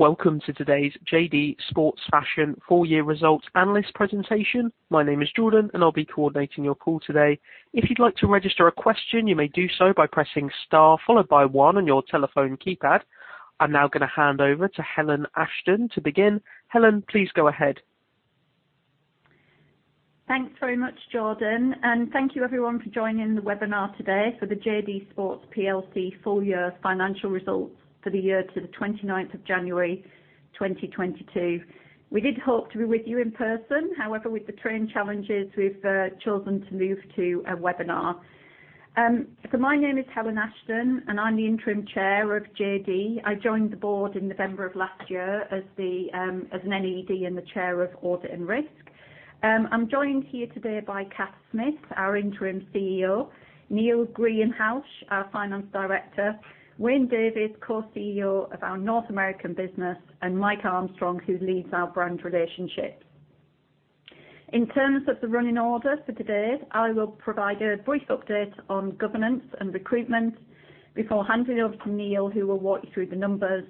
Welcome to today's JD Sports Fashion Full Year Results Analyst Presentation. My name is Jordan, and I'll be coordinating your call today. If you'd like to register a question, you may do so by pressing star followed by one on your telephone keypad. I'm now gonna hand over to Helen Ashton to begin. Helen, please go ahead. Thanks very much, Jordan. Thank you everyone for joining the webinar today for the JD Sports Fashion Plc Full Year Financial Results for the Year to the 29th of January 2022. We did hope to be with you in person. However, with the train challenges, we've chosen to move to a webinar. My name is Helen Ashton, and I'm the interim Chair of JD. I joined the board in November of last year as an NED and the Chair of Audit and Risk. I'm joined here today by Kath Smith, our interim CEO, Neil Greenhalgh, our Finance Director, Wayne Davies, co-CEO of our North American business, and Mike Armstrong, who leads our brand relationships. In terms of the running order for today, I will provide a brief update on governance and recruitment before handing over to Neil, who will walk you through the numbers.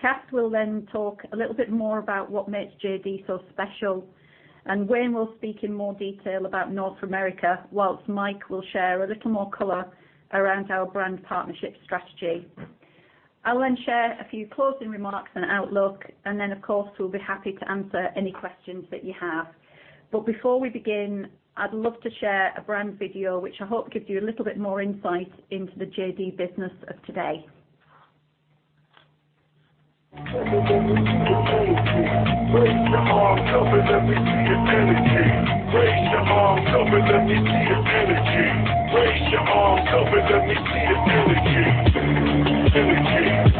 Kath will then talk a little bit more about what makes JD so special, and Wayne will speak in more detail about North America, while Mike will share a little more color around our brand partnership strategy. I'll then share a few closing remarks and outlook, and then of course, we'll be happy to answer any questions that you have. Before we begin, I'd love to share a brand video, which I hope gives you a little bit more insight into the JD business of today. Thanks very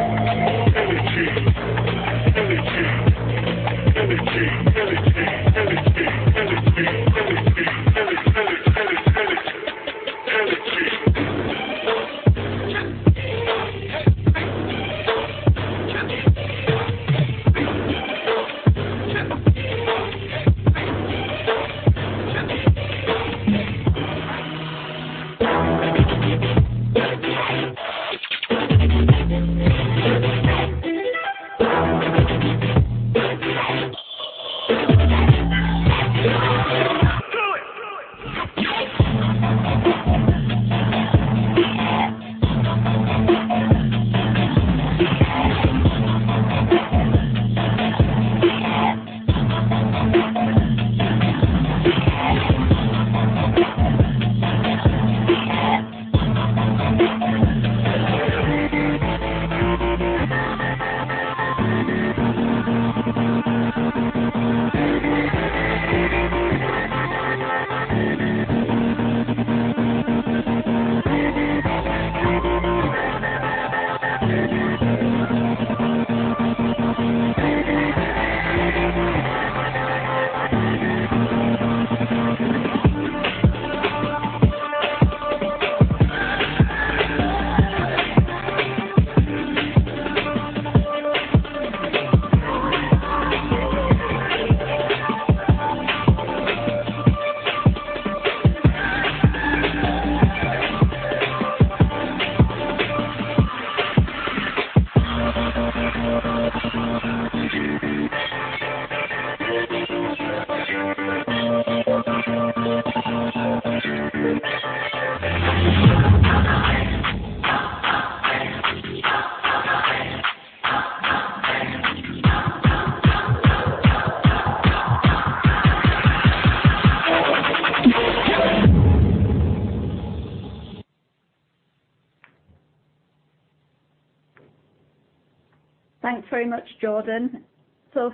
much, Jordan.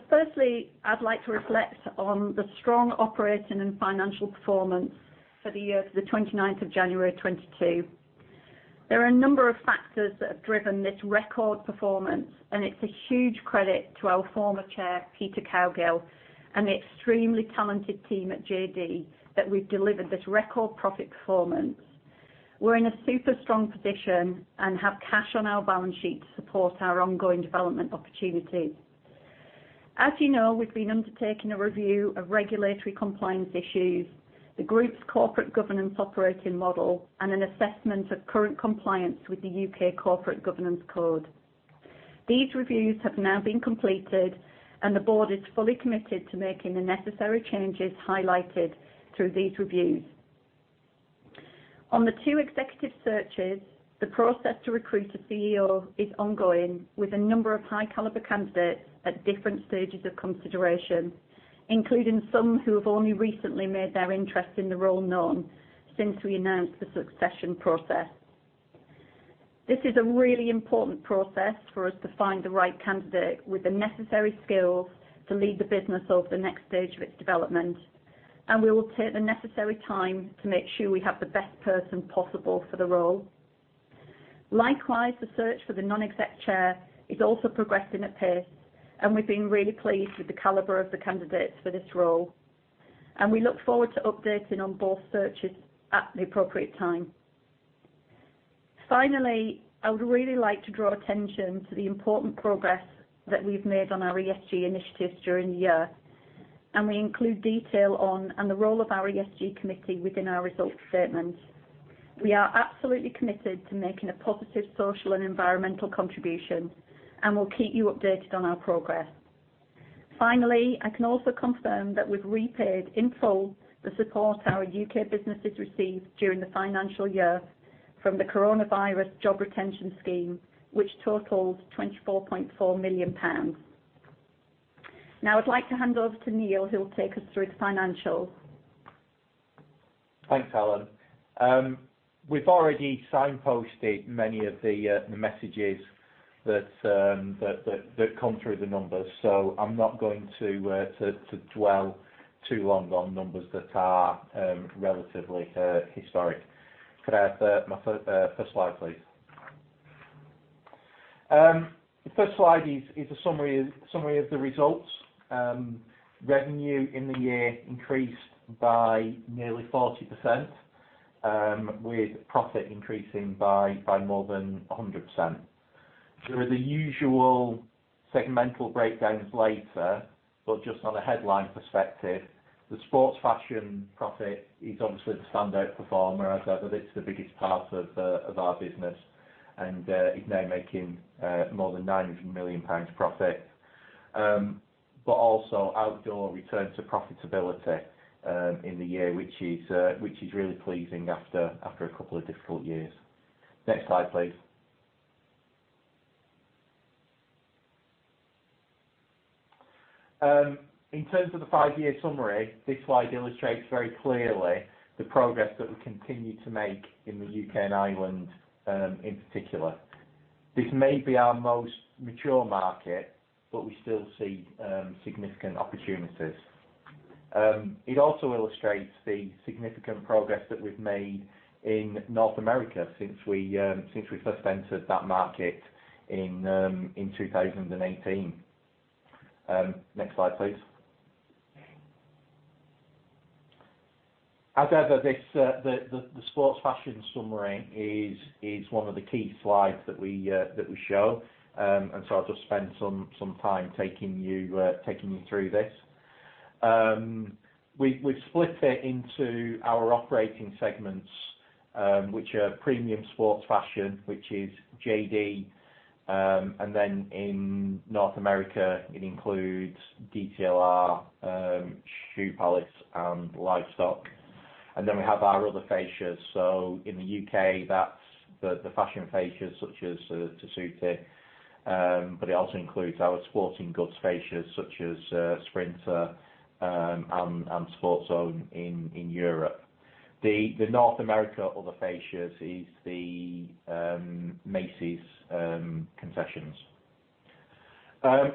Firstly, I'd like to reflect on the strong operating and financial performance for the year to the 29th of January 2022. There are a number of factors that have driven this record performance, and it's a huge credit to our former chair, Peter Cowgill, and the extremely talented team at JD that we've delivered this record profit performance. We're in a super strong position and have cash on our balance sheet to support our ongoing development opportunities. As you know, we've been undertaking a review of regulatory compliance issues, the group's corporate governance operating model, and an assessment of current compliance with the UK Corporate Governance Code. These reviews have now been completed, and the board is fully committed to making the necessary changes highlighted through these reviews. On the two executive searches, the process to recruit a CEO is ongoing with a number of high caliber candidates at different stages of consideration, including some who have only recently made their interest in the role known since we announced the succession process. This is a really important process for us to find the right candidate with the necessary skills to lead the business over the next stage of its development, and we will take the necessary time to make sure we have the best person possible for the role. Likewise, the search for the non-exec chair is also progressing at pace, and we've been really pleased with the caliber of the candidates for this role. We look forward to updating on both searches at the appropriate time. Finally, I would really like to draw attention to the important progress that we've made on our ESG initiatives during the year. We include detail on, and the role of our ESG committee within our results statement. We are absolutely committed to making a positive social and environmental contribution, and we'll keep you updated on our progress. Finally, I can also confirm that we've repaid in full the support our UK businesses received during the financial year from the Coronavirus Job Retention Scheme, which totals 24.4 million pounds. Now I'd like to hand over to Neil, who will take us through the financials. Thanks, Helen. We've already signposted many of the messages that come through the numbers. I'm not going to dwell too long on numbers that are relatively historic. Could I have my first slide, please? The first slide is a summary of the results. Revenue in the year increased by nearly 40%, with profit increasing by more than 100%. There are the usual segmental breakdowns later, but just on a headline perspective, the Sports Fashion profit is obviously the standout performer, as ever. It's the biggest part of our business, and is now making more than 9 million pounds profit. Outdoor returned to profitability in the year, which is really pleasing after a couple of difficult years. Next slide, please. In terms of the five-year summary, this slide illustrates very clearly the progress that we continue to make in the U.K. and Ireland in particular. This may be our most mature market, but we still see significant opportunities. It also illustrates the significant progress that we've made in North America since we first entered that market in 2018. Next slide, please. As ever, the sports fashion summary is one of the key slides that we show. I'll just spend some time taking you through this. We've split it into our operating segments, which are premium sports fashion, which is JD, and then in North America, it includes DTLR, Shoe Palace, and Livestock. We have our other fascias. In the UK, that's the fashion fascias such as Tessuti, but it also includes our sporting goods fascias such as Sprinter and Sport Zone in Europe. The North America other fascias is the Macy's concessions.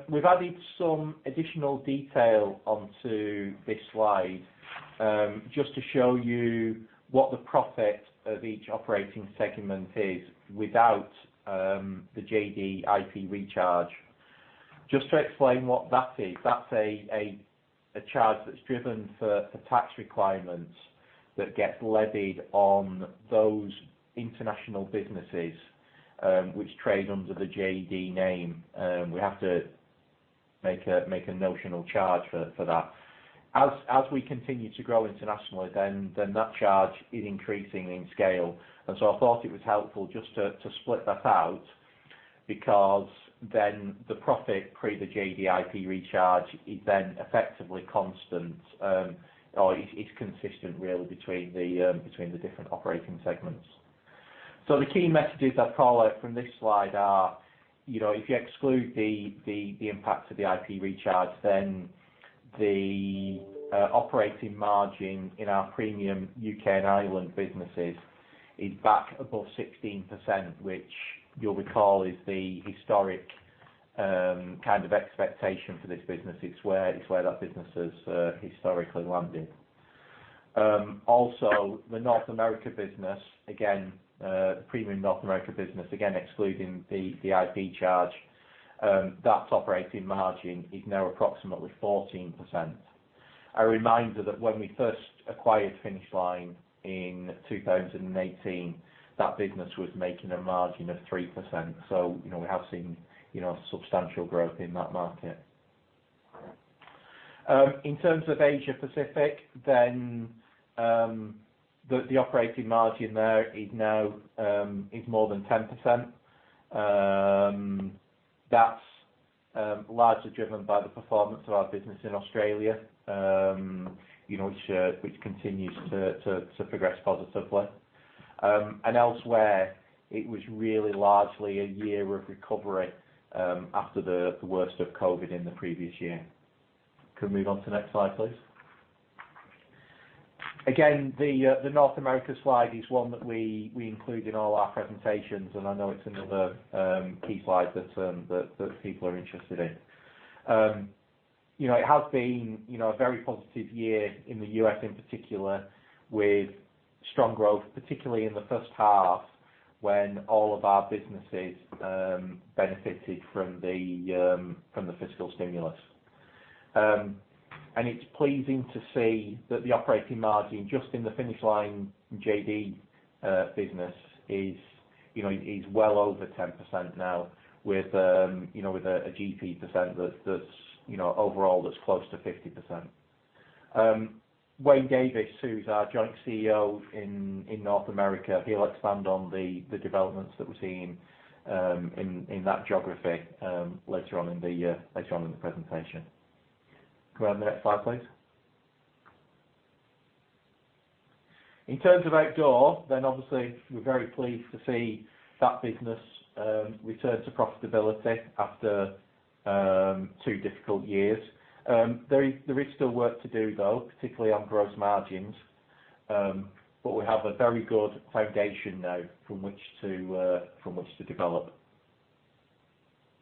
We've added some additional detail onto this slide, just to show you what the profit of each operating segment is without the JD IP recharge. Just to explain what that is, that's a charge that's driven for tax requirements that gets levied on those international businesses, which trade under the JD name. We have to make a notional charge for that. As we continue to grow internationally, then that charge is increasing in scale. I thought it was helpful just to split that out because then the profit pre the JD IP recharge is then effectively constant, or is consistent really between the different operating segments. The key messages I'd call out from this slide are, you know, if you exclude the impact of the IP recharge, then the operating margin in our premium UK and Ireland businesses is back above 16%, which you'll recall is the historic kind of expectation for this business. It's where that business has historically landed. Also the North America business, again, premium North America business, again excluding the IP charge, that operating margin is now approximately 14%. A reminder that when we first acquired Finish Line in 2018, that business was making a margin of 3%. You know, we have seen, you know, substantial growth in that market. In terms of Asia Pacific, then, the operating margin there is now more than 10%. That's largely driven by the performance of our business in Australia, you know, which continues to progress positively. Elsewhere, it was really largely a year of recovery, after the worst of COVID in the previous year. Can we move on to next slide, please? The North America slide is one that we include in all our presentations, and I know it's another key slide that people are interested in. You know, it has been a very positive year in the U.S. in particular with strong growth, particularly in the first half when all of our businesses benefited from the fiscal stimulus. It's pleasing to see that the operating margin just in the Finish Line and JD business is well over 10% now with a GP% that's overall close to 50%. Wayne Davies, who's our joint CEO in North America, he'll expand on the developments that we're seeing in that geography later on in the presentation. Go on to the next slide, please. In terms of outdoor, obviously we're very pleased to see that business return to profitability after two difficult years. There is still work to do though, particularly on gross margins. We have a very good foundation now from which to develop.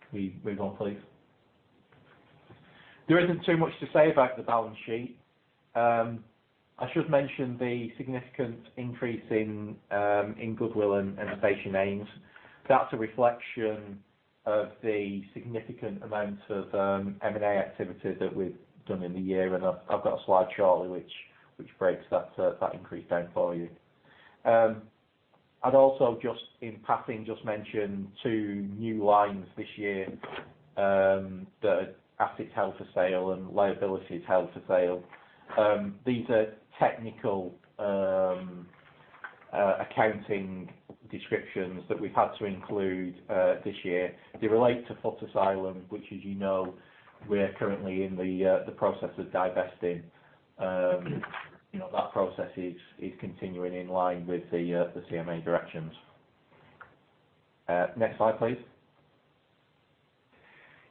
Can we move on, please? There isn't too much to say about the balance sheet. I should mention the significant increase in goodwill and patent names. That's a reflection of the significant amount of M&A activity that we've done in the year. I've got a slide shortly which breaks that increase down for you. I'd also just in passing, just mention two new lines this year, that assets held for sale and liabilities held for sale. These are technical accounting descriptions that we've had to include this year. They relate to Footasylum, which, as you know, we're currently in the process of divesting. You know, that process is continuing in line with the CMA directions. Next slide, please.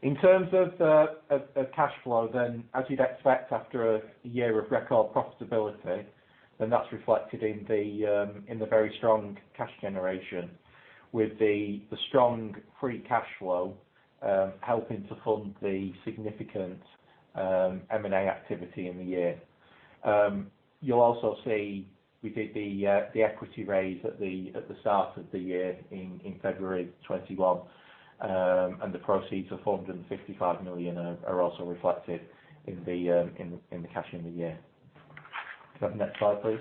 In terms of cash flow, then, as you'd expect after a year of record profitability, then that's reflected in the very strong cash generation, with the strong free cash flow helping to fund the significant M&A activity in the year. You'll also see we did the equity raise at the start of the year in February 2021. The proceeds of 155 million are also reflected in the cash in the year. Can I have the next slide, please?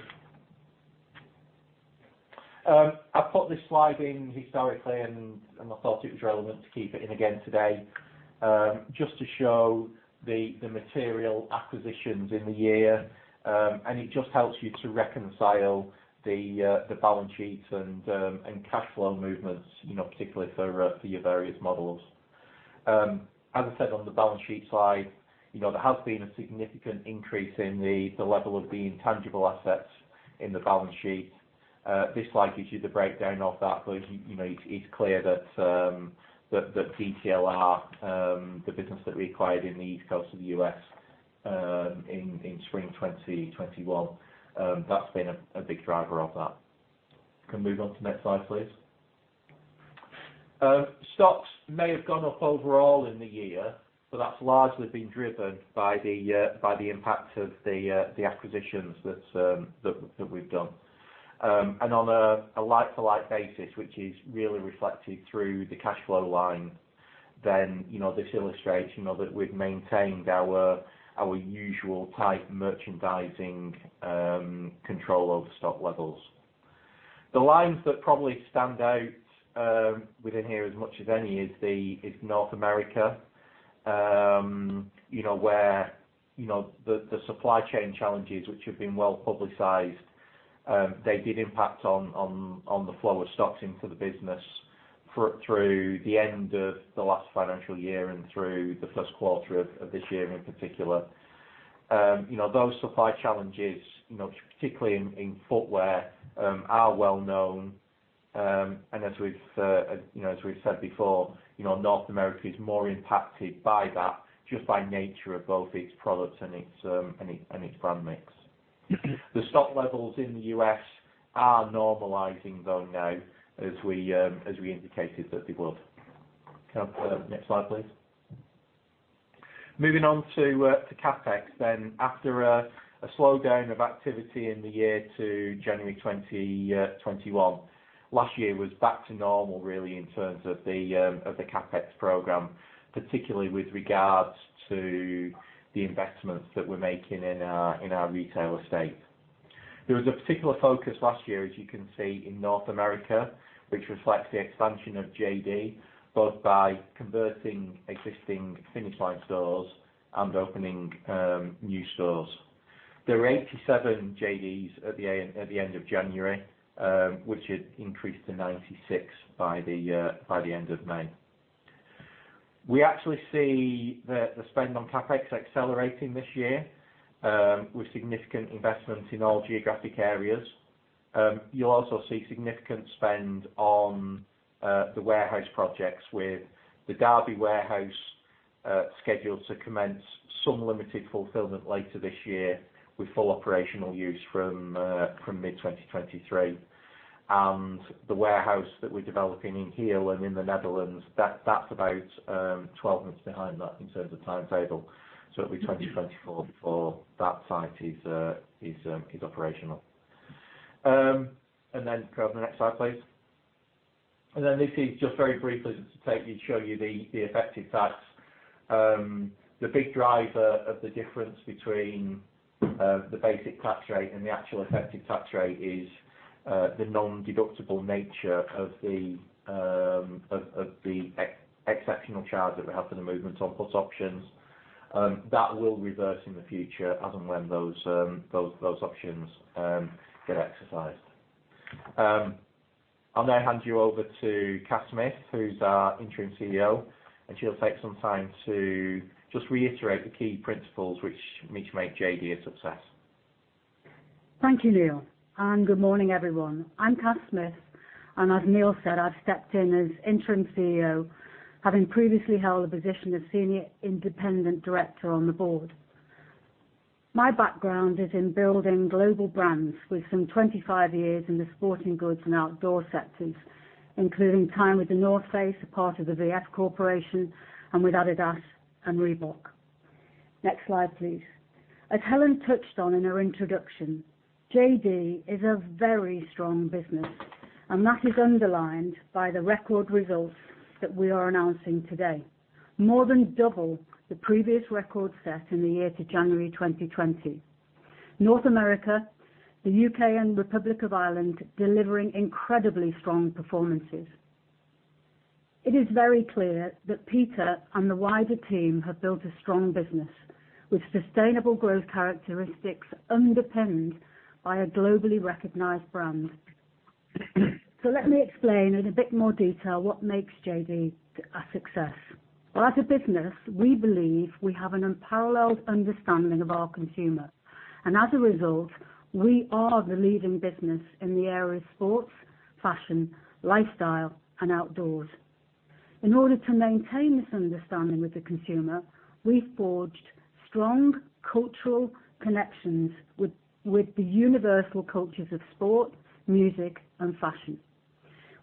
I put this slide in historically and I thought it was relevant to keep it in again today, just to show the material acquisitions in the year, and it just helps you to reconcile the balance sheets and cash flow movements, you know, particularly for your various models. As I said, on the balance sheet side, you know, there has been a significant increase in the level of the intangible assets in the balance sheet. This slide gives you the breakdown of that, but, you know, it's clear that that DTLR, the business that we acquired in the East Coast of the U.S., in spring 2021, that's been a big driver of that. Can move on to next slide, please? Stocks may have gone up overall in the year, but that's largely been driven by the impact of the acquisitions that we've done. On a like-for-like basis, which is really reflected through the cash flow line, then, you know, this illustrates, you know, that we've maintained our usual tight merchandising control over stock levels. The lines that probably stand out within here as much as any is North America, you know, where you know the supply chain challenges, which have been well publicized, they did impact on the flow of stocks into the business through the end of the last financial year and through the first quarter of this year in particular. You know, those supply challenges, you know, particularly in footwear, are well known. As we've said before, you know, North America is more impacted by that just by nature of both its products and its brand mix. The stock levels in the U.S. are normalizing though now as we indicated that they would. Can I have the next slide, please? Moving on to CapEx then. After a slowdown of activity in the year to January 2021, last year was back to normal really in terms of the CapEx program, particularly with regards to the investments that we're making in our retail estate. There was a particular focus last year, as you can see, in North America, which reflects the expansion of JD, both by converting existing Finish Line stores and opening new stores. There were 87 JDs at the end of January, which had increased to 96 by the end of May. We actually see the spend on CapEx accelerating this year, with significant investments in all geographic areas. You'll also see significant spend on the warehouse projects with the Derby warehouse scheduled to commence some limited fulfillment later this year with full operational use from mid-2023. The warehouse that we're developing in Heerlen in the Netherlands that's about 12 months behind that in terms of timetable, so it'll be 2024 before that site is operational. Go on to the next slide, please. This is just very briefly to take you to show you the affected sites. The big driver of the difference between the basic tax rate and the actual effective tax rate is the nondeductible nature of the exceptional charge that we have for the movement on put options. That will reverse in the future as and when those options get exercised. I'll now hand you over to Kath Smith, who's our Interim CEO, and she'll take some time to just reiterate the key principles which make JD a success. Thank you, Neil. Good morning, everyone. I'm Kath Smith, and as Neil said, I've stepped in as interim CEO, having previously held the position of senior independent director on the board. My background is in building global brands with some 25 years in the sporting goods and outdoor sectors, including time with The North Face, a part of the VF Corporation, and with Adidas and Reebok. Next slide, please. As Helen touched on in her introduction, JD is a very strong business, and that is underlined by the record results that we are announcing today. More than double the previous record set in the year to January 2020. North America, the U.K., and Republic of Ireland delivering incredibly strong performances. It is very clear that Peter and the wider team have built a strong business with sustainable growth characteristics underpinned by a globally recognized brand. Let me explain in a bit more detail what makes JD a success. Well, as a business, we believe we have an unparalleled understanding of our consumer. As a result, we are the leading business in the area of sports, fashion, lifestyle, and outdoors. In order to maintain this understanding with the consumer, we forged strong cultural connections with the universal cultures of sport, music, and fashion.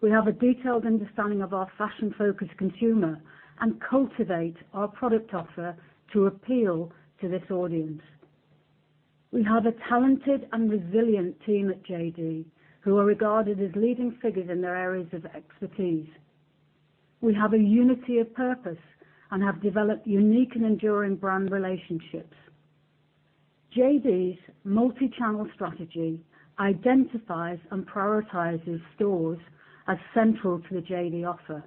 We have a detailed understanding of our fashion-focused consumer and cultivate our product offer to appeal to this audience. We have a talented and resilient team at JD who are regarded as leading figures in their areas of expertise. We have a unity of purpose and have developed unique and enduring brand relationships. JD's multi-channel strategy identifies and prioritizes stores as central to the JD offer.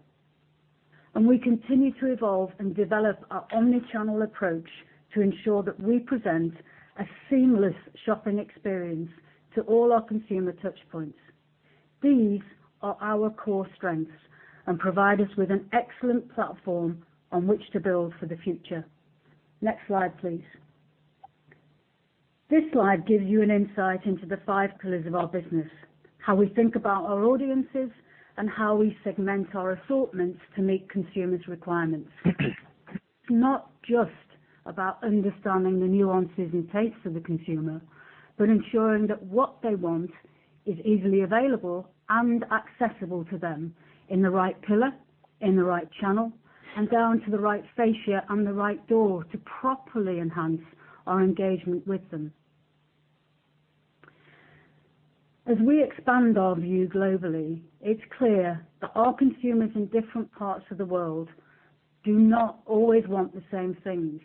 We continue to evolve and develop our omni-channel approach to ensure that we present a seamless shopping experience to all our consumer touch points. These are our core strengths and provide us with an excellent platform on which to build for the future. Next slide, please. This slide gives you an insight into the five pillars of our business, how we think about our audiences and how we segment our assortments to meet consumers' requirements. It's not just about understanding the nuances and tastes of the consumer, but ensuring that what they want is easily available and accessible to them in the right pillar, in the right channel, and down to the right fascia and the right door to properly enhance our engagement with them. As we expand our view globally, it's clear that our consumers in different parts of the world do not always want the same things.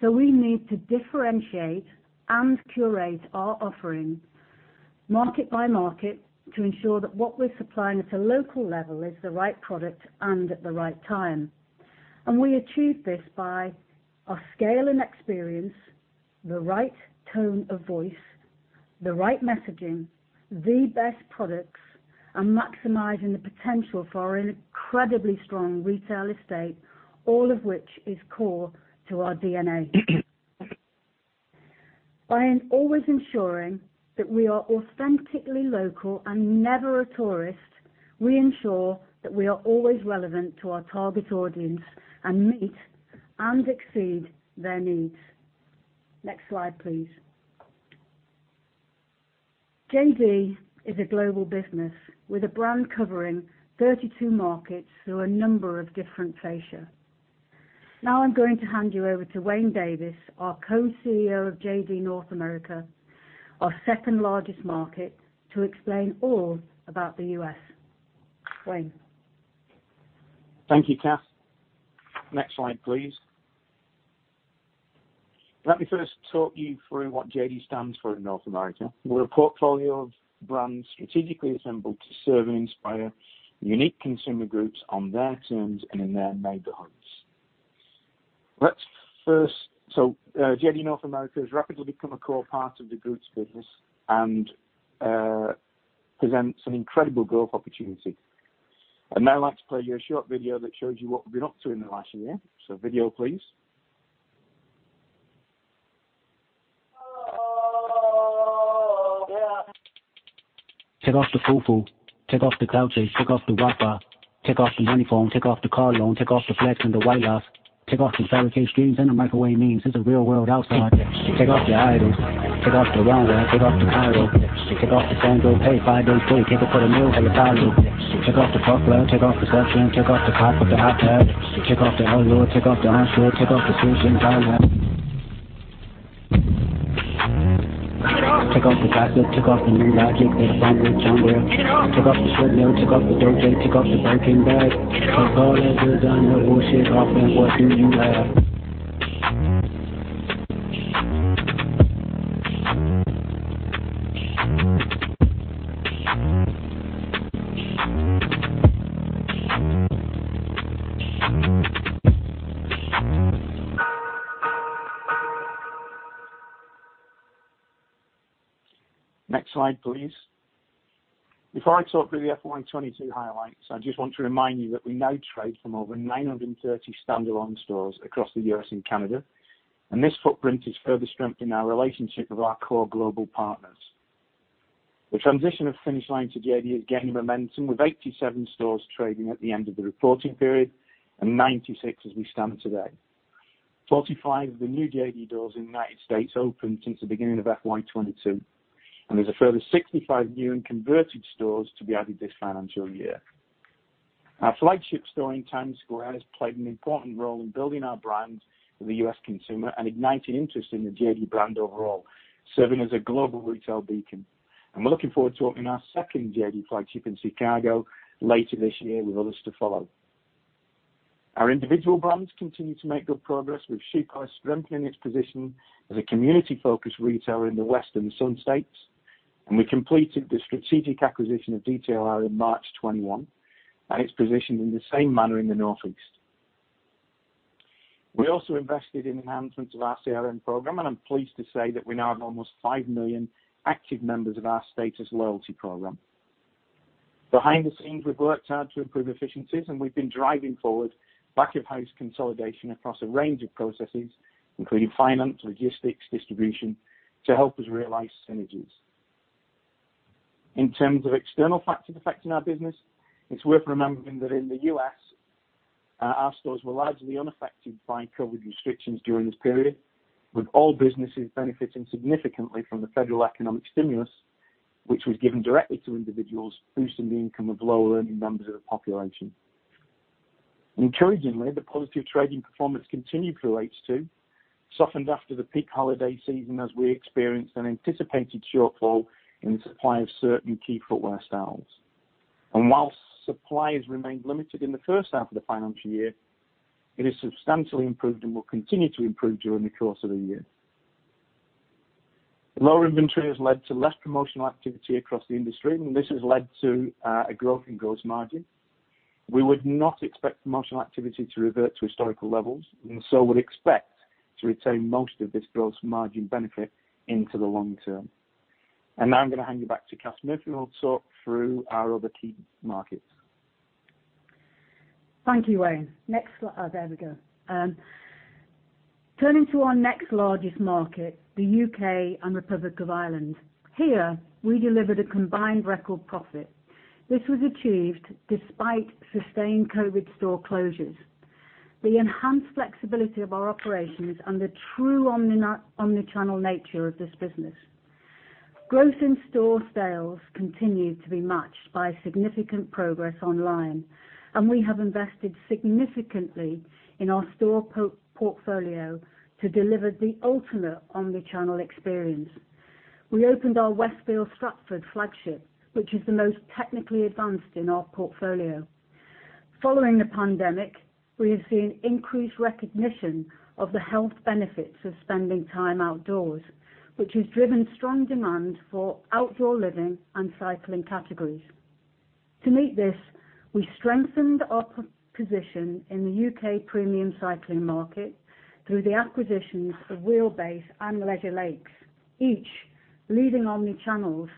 We need to differentiate and curate our offering market by market to ensure that what we're supplying at a local level is the right product and at the right time. We achieve this by our scale and experience, the right tone of voice, the right messaging, the best products, and maximizing the potential for an incredibly strong retail estate, all of which is core to our DNA. By always ensuring that we are authentically local and never a tourist, we ensure that we are always relevant to our target audience and meet and exceed their needs. Next slide, please. JD is a global business with a brand covering 32 markets through a number of different fascia. Now I'm going to hand you over to Wayne Davies, our co-CEO of JD North America, our second largest market, to explain all about the U.S. Wayne. Thank you, Kath. Next slide, please. Let me first walk you through what JD stands for in North America. We're a portfolio of brands strategically assembled to serve and inspire unique consumer groups on their terms and in their neighborhoods. JD North America has rapidly become a core part of the group's business and presents an incredible growth opportunity. I'd now like to play you a short video that shows you what we've been up to in the last year. Video, please. Take off the fufu. Take off the cloud chase. Take off the Rafa. Take off the money form. Take off the car loan. Take off the flex and the white life. Take off the barricade streams and the microwave memes. It's a real world outside. Take off your idols. Take off the runway. Take off the title. Take off the same group. Pay five days before you keep it for the meal how you dial. Take off the section, take off the cop with the hot tab. Take off the whole load, take off the half shell, take off the solution. Take off the jacket, take off the new Logic. Got a problem with Jungle. Take off the Chanel, take off the Dolce. Take off the Birkin bag. Take all that good designer bullshit off and what do you have? Next slide, please. Before I talk through the FY 2022 highlights, I just want to remind you that we now trade from over 930 standalone stores across the US and Canada, and this footprint is further strengthening our relationship with our core global partners. The transition of Finish Line to JD is gaining momentum with 87 stores trading at the end of the reporting period and 96 as we stand today. 45 of the new JD doors in the United States opened since the beginning of FY 2022, and there's a further 65 new and converted stores to be added this financial year. Our flagship store in Times Square has played an important role in building our brand with the US consumer and igniting interest in the JD brand overall, serving as a global retail beacon. We're looking forward to opening our second JD flagship in Chicago later this year, with others to follow. Our individual brands continue to make good progress with Shoe Palace strengthening its position as a community-focused retailer in the western U.S. states. We completed the strategic acquisition of DTLR in March 2021, and it's positioned in the same manner in the Northeast. We also invested in enhancements of our CRM program, and I'm pleased to say that we now have almost 5 million active members of our Status loyalty program. Behind the scenes, we've worked hard to improve efficiencies, and we've been driving forward back-of-house consolidation across a range of processes, including finance, logistics, distribution, to help us realize synergies. In terms of external factors affecting our business, it's worth remembering that in the U.S., our stores were largely unaffected by COVID restrictions during this period, with all businesses benefiting significantly from the federal economic stimulus, which was given directly to individuals, boosting the income of lower earning members of the population. Encouragingly, the positive trading performance continued through H2, softened after the peak holiday season as we experienced an anticipated shortfall in the supply of certain key footwear styles. While supply has remained limited in the first half of the financial year, it has substantially improved and will continue to improve during the course of the year. Lower inventory has led to less promotional activity across the industry, and this has led to a growth in gross margin. We would not expect promotional activity to revert to historical levels and so would expect to retain most of this gross margin benefit into the long term. Now I'm gonna hand you back to Kath, who will talk through our other key markets. Thank you, Wayne. Turning to our next largest market, the UK and Republic of Ireland. Here, we delivered a combined record profit. This was achieved despite sustained COVID store closures. The enhanced flexibility of our operations and the true omnichannel nature of this business. Growth in store sales continued to be matched by significant progress online, and we have invested significantly in our store portfolio to deliver the ultimate omnichannel experience. We opened our Westfield Stratford flagship, which is the most technically advanced in our portfolio. Following the pandemic, we have seen increased recognition of the health benefits of spending time outdoors, which has driven strong demand for outdoor living and cycling categories. To meet this, we strengthened our position in the UK premium cycling market through the acquisitions of Wheelbase and Leisure Lakes, each leading omni-channel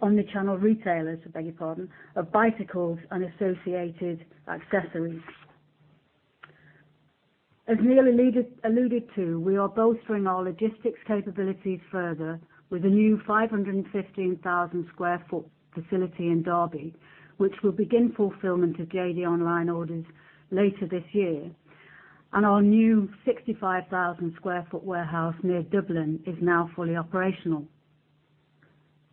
retailers, I beg your pardon, of bicycles and associated accessories. As Neil alluded to, we are bolstering our logistics capabilities further with a new 515,000 sq ft facility in Derby, which will begin fulfillment of JD online orders later this year. Our new 65,000 sq ft warehouse near Dublin is now fully operational.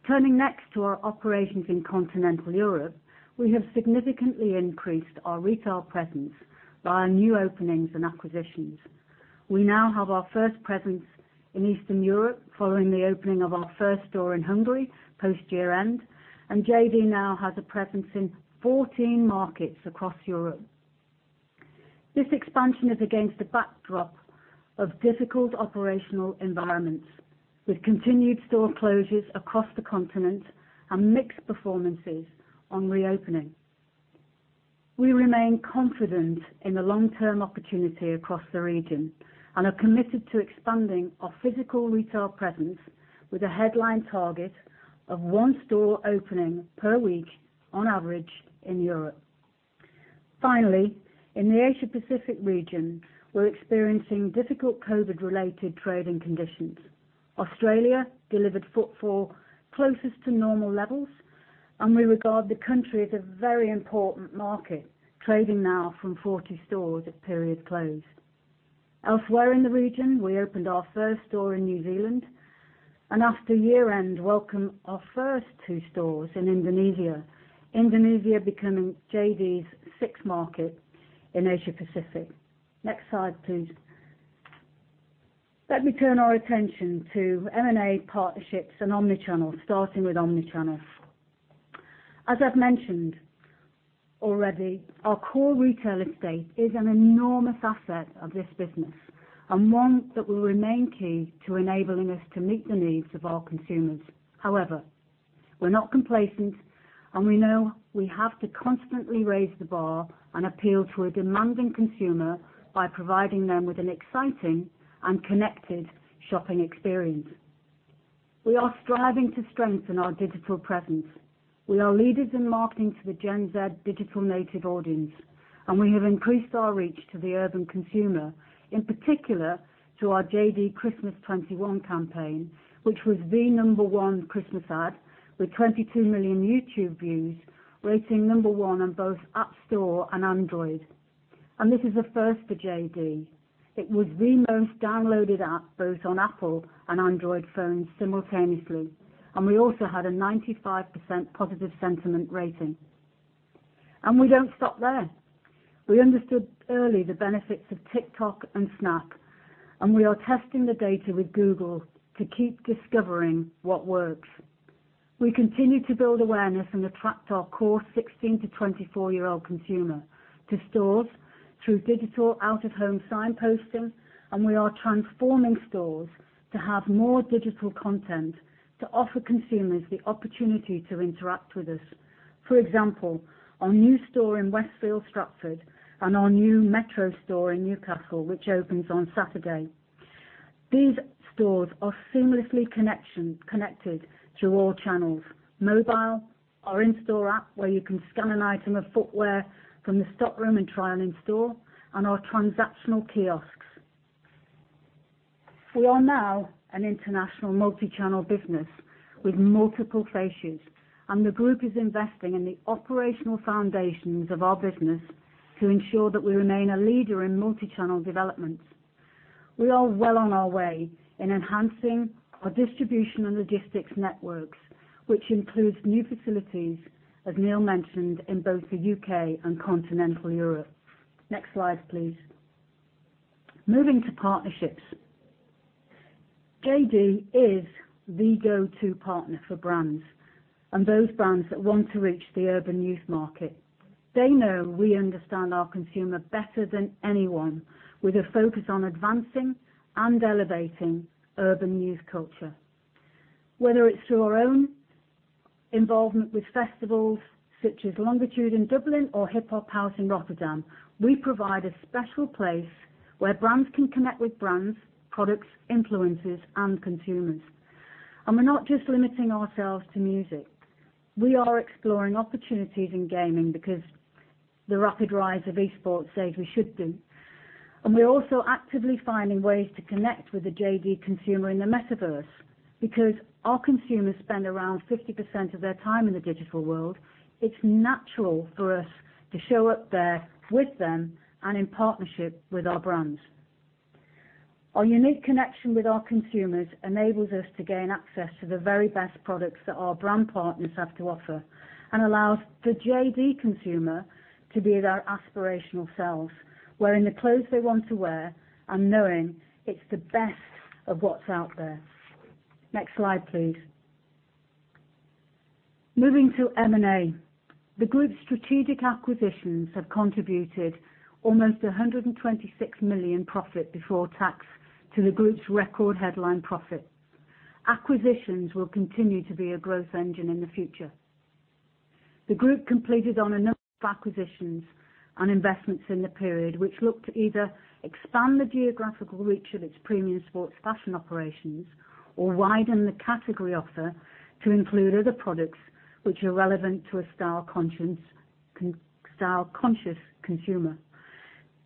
Turning next to our operations in continental Europe, we have significantly increased our retail presence via new openings and acquisitions. We now have our first presence in Eastern Europe, following the opening of our first store in Hungary post-year end, and JD now has a presence in 14 markets across Europe. This expansion is against a backdrop of difficult operational environments, with continued store closures across the continent and mixed performances on reopening. We remain confident in the long-term opportunity across the region and are committed to expanding our physical retail presence with a headline target of one store opening per week on average in Europe. Finally, in the Asia Pacific region, we're experiencing difficult COVID-related trading conditions. Australia delivered footfall closest to normal levels, and we regard the country as a very important market, trading now from 40 stores at period close. Elsewhere in the region, we opened our first store in New Zealand, and after year-end, welcomed our first 2 stores in Indonesia. Indonesia becoming JD's sixth market in Asia Pacific. Next slide, please. Let me turn our attention to M&A partnerships and omnichannel, starting with omnichannel. As I've mentioned already, our core retail estate is an enormous asset of this business, and one that will remain key to enabling us to meet the needs of our consumers. However, we're not complacent, and we know we have to constantly raise the bar and appeal to a demanding consumer by providing them with an exciting and connected shopping experience. We are striving to strengthen our digital presence. We are leaders in marketing to the Gen Z digital native audience, and we have increased our reach to the urban consumer, in particular to our JD Christmas 2021 campaign, which was the number one Christmas ad with 22 million YouTube views, rating number one on both App Store and Android. This is a first for JD. It was the most downloaded app both on Apple and Android phones simultaneously, and we also had a 95% positive sentiment rating. We don't stop there. We understood early the benefits of TikTok and Snap, and we are testing the data with Google to keep discovering what works. We continue to build awareness and attract our core 16-24-year-old consumer to stores through digital out-of-home signposting, and we are transforming stores to have more digital content to offer consumers the opportunity to interact with us. For example, our new store in Westfield Stratford and our new Metrocentre store in Newcastle, which opens on Saturday. These stores are seamlessly connected to all channels, mobile, our in-store app where you can scan an item of footwear from the stock room and try on in store, and our transactional kiosks. We are now an international multichannel business with multiple faces, and the group is investing in the operational foundations of our business to ensure that we remain a leader in multichannel developments. We are well on our way in enhancing our distribution and logistics networks, which includes new facilities, as Neil mentioned, in both the UK and continental Europe. Next slide, please. Moving to partnerships. JD is the go-to partner for brands and those brands that want to reach the urban youth market. They know we understand our consumer better than anyone, with a focus on advancing and elevating urban youth culture. Whether it's through our own involvement with festivals such as Longitude in Dublin or HipHopHuis in Rotterdam, we provide a special place where brands can connect with brands, products, influencers, and consumers. We're not just limiting ourselves to music. We are exploring opportunities in gaming because the rapid rise of e-sports says we should do. We're also actively finding ways to connect with the JD consumer in the metaverse. Because our consumers spend around 50% of their time in the digital world, it's natural for us to show up there with them and in partnership with our brands. Our unique connection with our consumers enables us to gain access to the very best products that our brand partners have to offer and allows the JD consumer to be their aspirational selves, wearing the clothes they want to wear and knowing it's the best of what's out there. Next slide, please. Moving to M&A. The group's strategic acquisitions have contributed almost 126 million profit before tax to the group's record headline profit. Acquisitions will continue to be a growth engine in the future. The group completed on a number of acquisitions and investments in the period, which look to either expand the geographical reach of its premium sports fashion operations or widen the category offer to include other products which are relevant to a style-conscious consumer.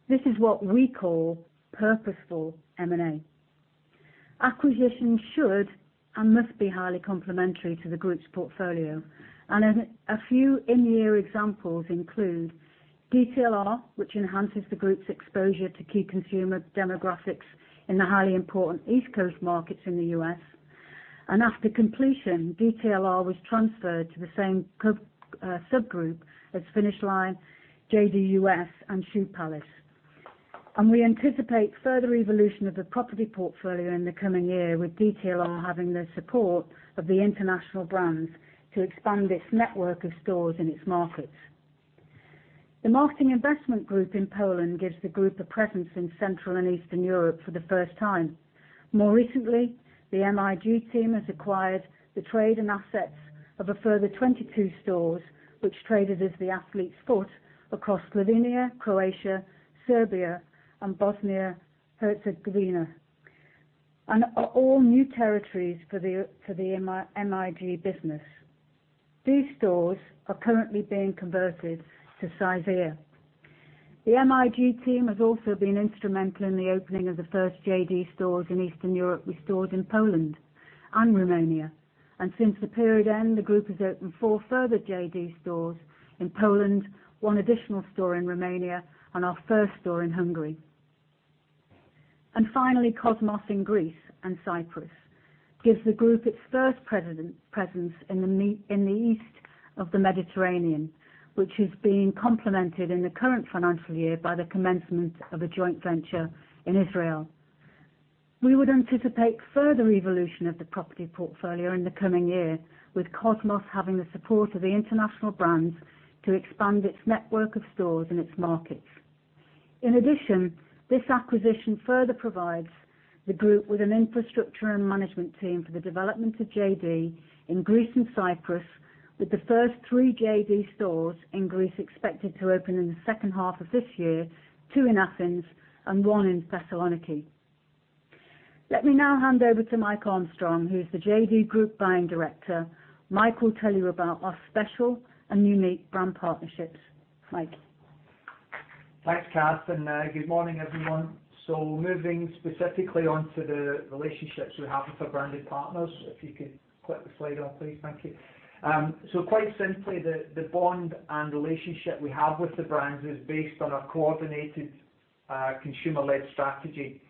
This is what we call purposeful M&A. Acquisitions should and must be highly complementary to the group's portfolio. A few in-year examples include DTLR, which enhances the group's exposure to key consumer demographics in the highly important East Coast markets in the U.S. After completion, DTLR was transferred to the same subgroup as Finish Line, JD US, and Shoe Palace. We anticipate further evolution of the property portfolio in the coming year with DTLR having the support of the international brands to expand its network of stores in its markets. The Marketing Investment Group in Poland gives the group a presence in Central and Eastern Europe for the first time. More recently, the MIG team has acquired the trade and assets of a further 22 stores, which traded as The Athlete's Foot across Slovenia, Croatia, Serbia, and Bosnia and Herzegovina, and are all new territories for the MIG business. These stores are currently being converted to Size? The MIG team has also been instrumental in the opening of the first JD stores in Eastern Europe with stores in Poland and Romania. Since the period end, the group has opened four further JD stores in Poland, one additional store in Romania, and our first store in Hungary. Finally, Cosmos in Greece and Cyprus gives the group its first presence in the east of the Mediterranean, which is being complemented in the current financial year by the commencement of a joint venture in Israel. We would anticipate further evolution of the property portfolio in the coming year, with Cosmos having the support of the international brands to expand its network of stores in its markets. In addition, this acquisition further provides the group with an infrastructure and management team for the development of JD in Greece and Cyprus, with the first three JD stores in Greece expected to open in the second half of this year, two in Athens and one in Thessaloniki. Let me now hand over to Mike Armstrong, who is the JD Group Buying Director. Mike will tell you about our special and unique brand partnerships. Mike? Thanks, Kath, and good morning, everyone. Moving specifically on to the relationships we have with our branded partners, if you could click the slide on, please. Thank you. Quite simply, the bond and relationship we have with the brands is based on a coordinated consumer-led strategy.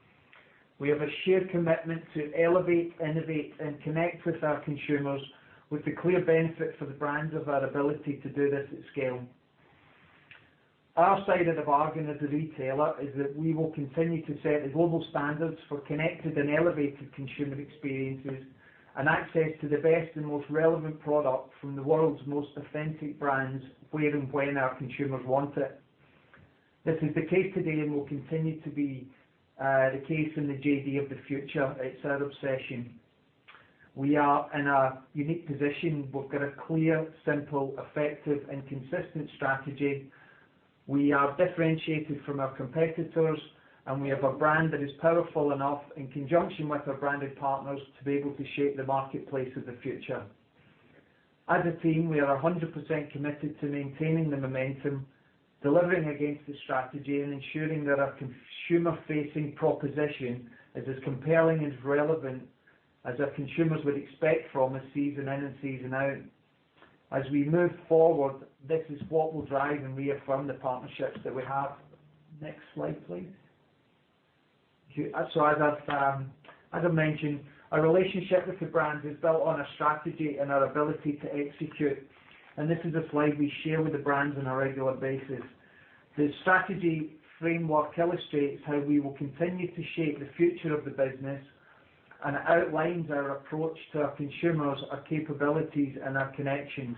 We have a shared commitment to elevate, innovate, and connect with our consumers with the clear benefit for the brands of our ability to do this at scale. Our side of the bargain as a retailer is that we will continue to set the global standards for connected and elevated consumer experiences and access to the best and most relevant product from the world's most authentic brands where and when our consumers want it. This is the case today and will continue to be the case in the JD of the future. It's our obsession. We are in a unique position. We've got a clear, simple, effective, and consistent strategy. We are differentiated from our competitors, and we have a brand that is powerful enough in conjunction with our branded partners to be able to shape the marketplace of the future. As a team, we are 100% committed to maintaining the momentum, delivering against the strategy, and ensuring that our consumer-facing proposition is as compelling and relevant as our consumers would expect from us season in and season out. As we move forward, this is what will drive and reaffirm the partnerships that we have. Next slide, please. Thank you. As I mentioned, our relationship with the brands is built on a strategy and our ability to execute, and this is a slide we share with the brands on a regular basis. The strategy framework illustrates how we will continue to shape the future of the business and outlines our approach to our consumers, our capabilities, and our connections.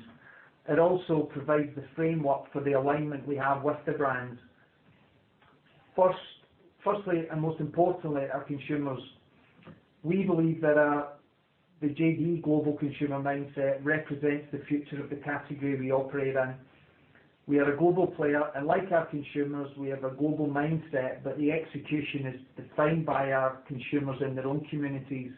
It also provides the framework for the alignment we have with the brands. First, and most importantly, our consumers. We believe that the JD global consumer mindset represents the future of the category we operate in. We are a global player, and like our consumers, we have a global mindset, but the execution is defined by our consumers in their own communities.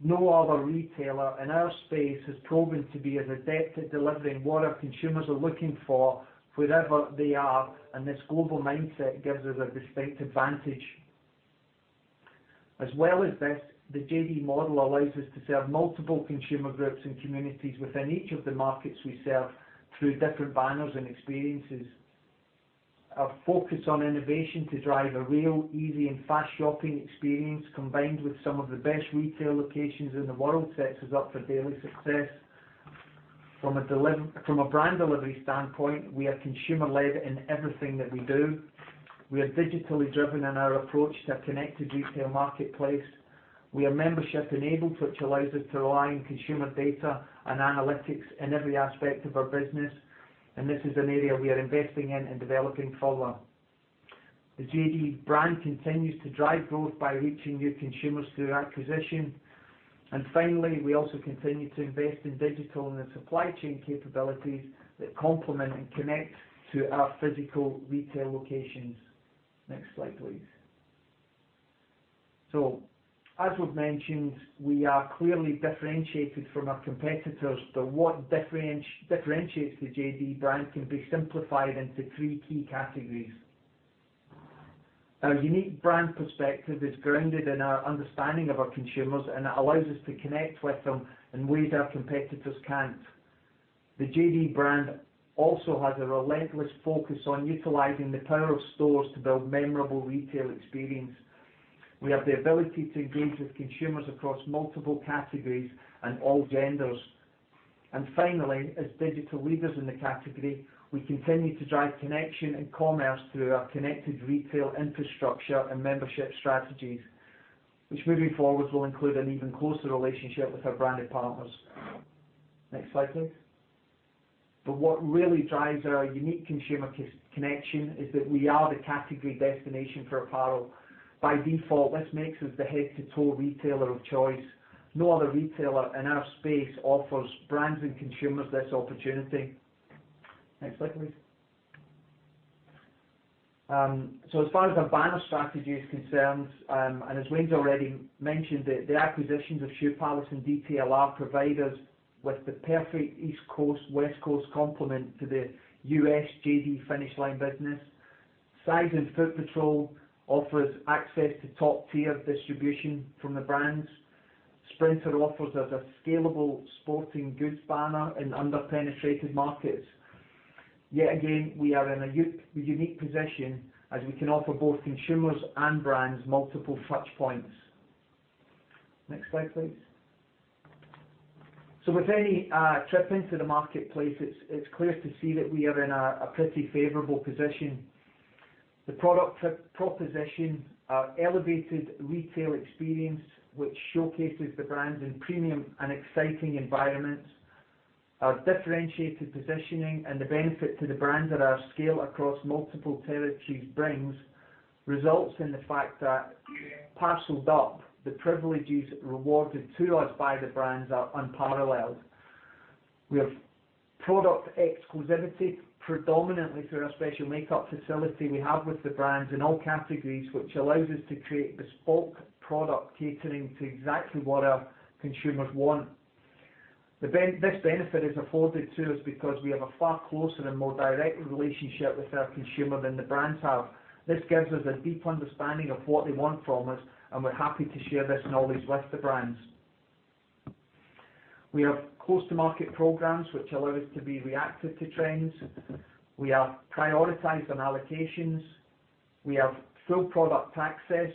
No other retailer in our space has proven to be as adept at delivering what our consumers are looking for wherever they are, and this global mindset gives us a distinct advantage. As well as this, the JD model allows us to serve multiple consumer groups and communities within each of the markets we serve through different banners and experiences. Our focus on innovation to drive a real, easy, and fast shopping experience, combined with some of the best retail locations in the world, sets us up for daily success. From a brand delivery standpoint, we are consumer-led in everything that we do. We are digitally driven in our approach to a connected retail marketplace. We are membership enabled, which allows us to rely on consumer data and analytics in every aspect of our business. This is an area we are investing in and developing further. The JD brand continues to drive growth by reaching new consumers through acquisition. Finally, we also continue to invest in digital and the supply chain capabilities that complement and connect to our physical retail locations. Next slide, please. As we've mentioned, we are clearly differentiated from our competitors, but what differentiates the JD brand can be simplified into three key categories. Our unique brand perspective is grounded in our understanding of our consumers, and it allows us to connect with them in ways our competitors can't. The JD brand also has a relentless focus on utilizing the power of stores to build memorable retail experience. We have the ability to engage with consumers across multiple categories and all genders. Finally, as digital leaders in the category, we continue to drive connection and commerce through our connected retail infrastructure and membership strategies, which moving forward will include an even closer relationship with our branded partners. Next slide, please. what really drives our unique consumer connection is that we are the category destination for apparel. By default, this makes us the head-to-toe retailer of choice. No other retailer in our space offers brands and consumers this opportunity. Next slide, please. So as far as our banner strategy is concerned, and as Wayne's already mentioned, the acquisitions of Shoe Palace and DTLR provide us with the perfect East Coast, West Coast complement to the US JD Finish Line business. Size? and Footpatrol offers access to top-tier distribution from the brands. Sprinter offers us a scalable sporting goods banner in under-penetrated markets. Yet again, we are in a unique position as we can offer both consumers and brands multiple touchpoints. Next slide, please. So with any trip into the marketplace, it's clear to see that we are in a pretty favorable position. The product proposition, our elevated retail experience, which showcases the brands in premium and exciting environments, our differentiated positioning and the benefit to the brands that our scale across multiple territories brings results in the fact that parceled up, the privileges rewarded to us by the brands are unparalleled. We have product exclusivity predominantly through our special makeup facility we have with the brands in all categories, which allows us to create bespoke product catering to exactly what our consumers want. This benefit is afforded to us because we have a far closer and more direct relationship with our consumer than the brands have. This gives us a deep understanding of what they want from us, and we're happy to share this knowledge with the brands. We have close-to-market programs which allow us to be reactive to trends. We are prioritized on allocations. We have full product access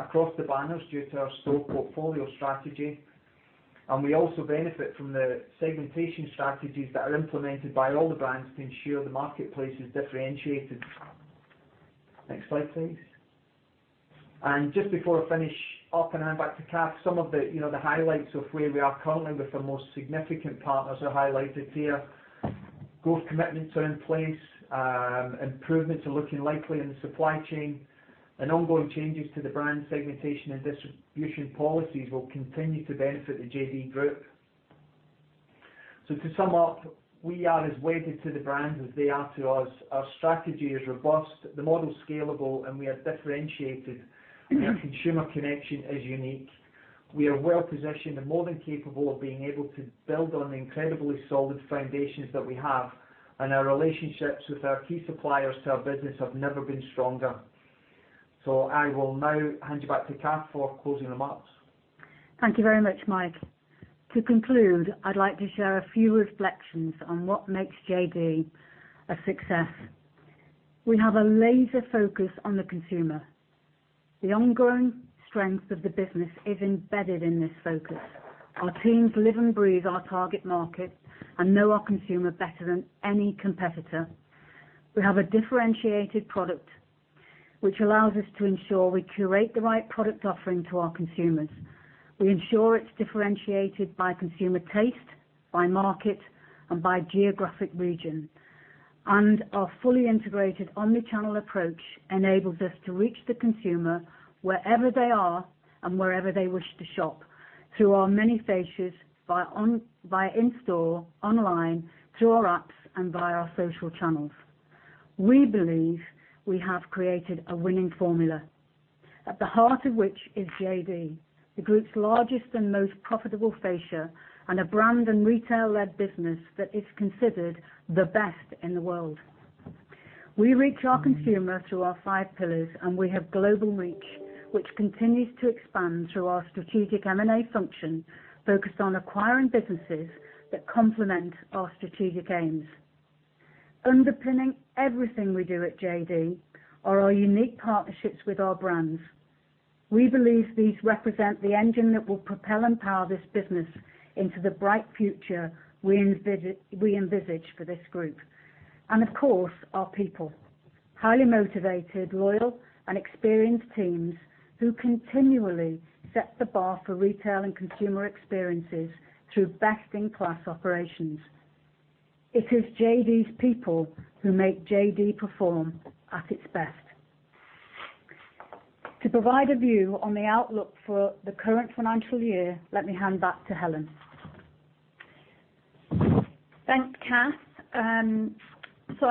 across the banners due to our store portfolio strategy, and we also benefit from the segmentation strategies that are implemented by all the brands to ensure the marketplace is differentiated. Next slide, please. Just before I finish up and hand back to Kath, some of the, you know, highlights of where we are currently with our most significant partners are highlighted here. Growth commitments are in place, improvements are looking likely in the supply chain and ongoing changes to the brand segmentation and distribution policies will continue to benefit the JD Group. To sum up, we are as wedded to the brands as they are to us. Our strategy is robust, the model scalable, and we are differentiated. Our consumer connection is unique. We are well positioned and more than capable of being able to build on the incredibly solid foundations that we have, and our relationships with our key suppliers to our business have never been stronger. I will now hand you back to Kath for closing remarks. Thank you very much, Mike. To conclude, I'd like to share a few reflections on what makes JD a success. We have a laser focus on the consumer. The ongoing strength of the business is embedded in this focus. Our teams live and breathe our target market and know our consumer better than any competitor. We have a differentiated product which allows us to ensure we curate the right product offering to our consumers. We ensure it's differentiated by consumer taste, by market and by geographic region. Our fully integrated omni-channel approach enables us to reach the consumer wherever they are and wherever they wish to shop through our many facias in-store, online, through our apps and via our social channels. We believe we have created a winning formula at the heart of which is JD, the group's largest and most profitable fascia and a brand and retail led business that is considered the best in the world. We reach our consumer through our five pillars and we have global reach which continues to expand through our strategic M&A function focused on acquiring businesses that complement our strategic aims. Underpinning everything we do at JD are our unique partnerships with our brands. We believe these represent the engine that will propel and power this business into the bright future we envisage for this group and of course our people. Highly motivated, loyal and experienced teams who continually set the bar for retail and consumer experiences through best in class operations. It is JD's people who make JD perform at its best. To provide a view on the outlook for the current financial year, let me hand back to Helen. Thanks, Kath.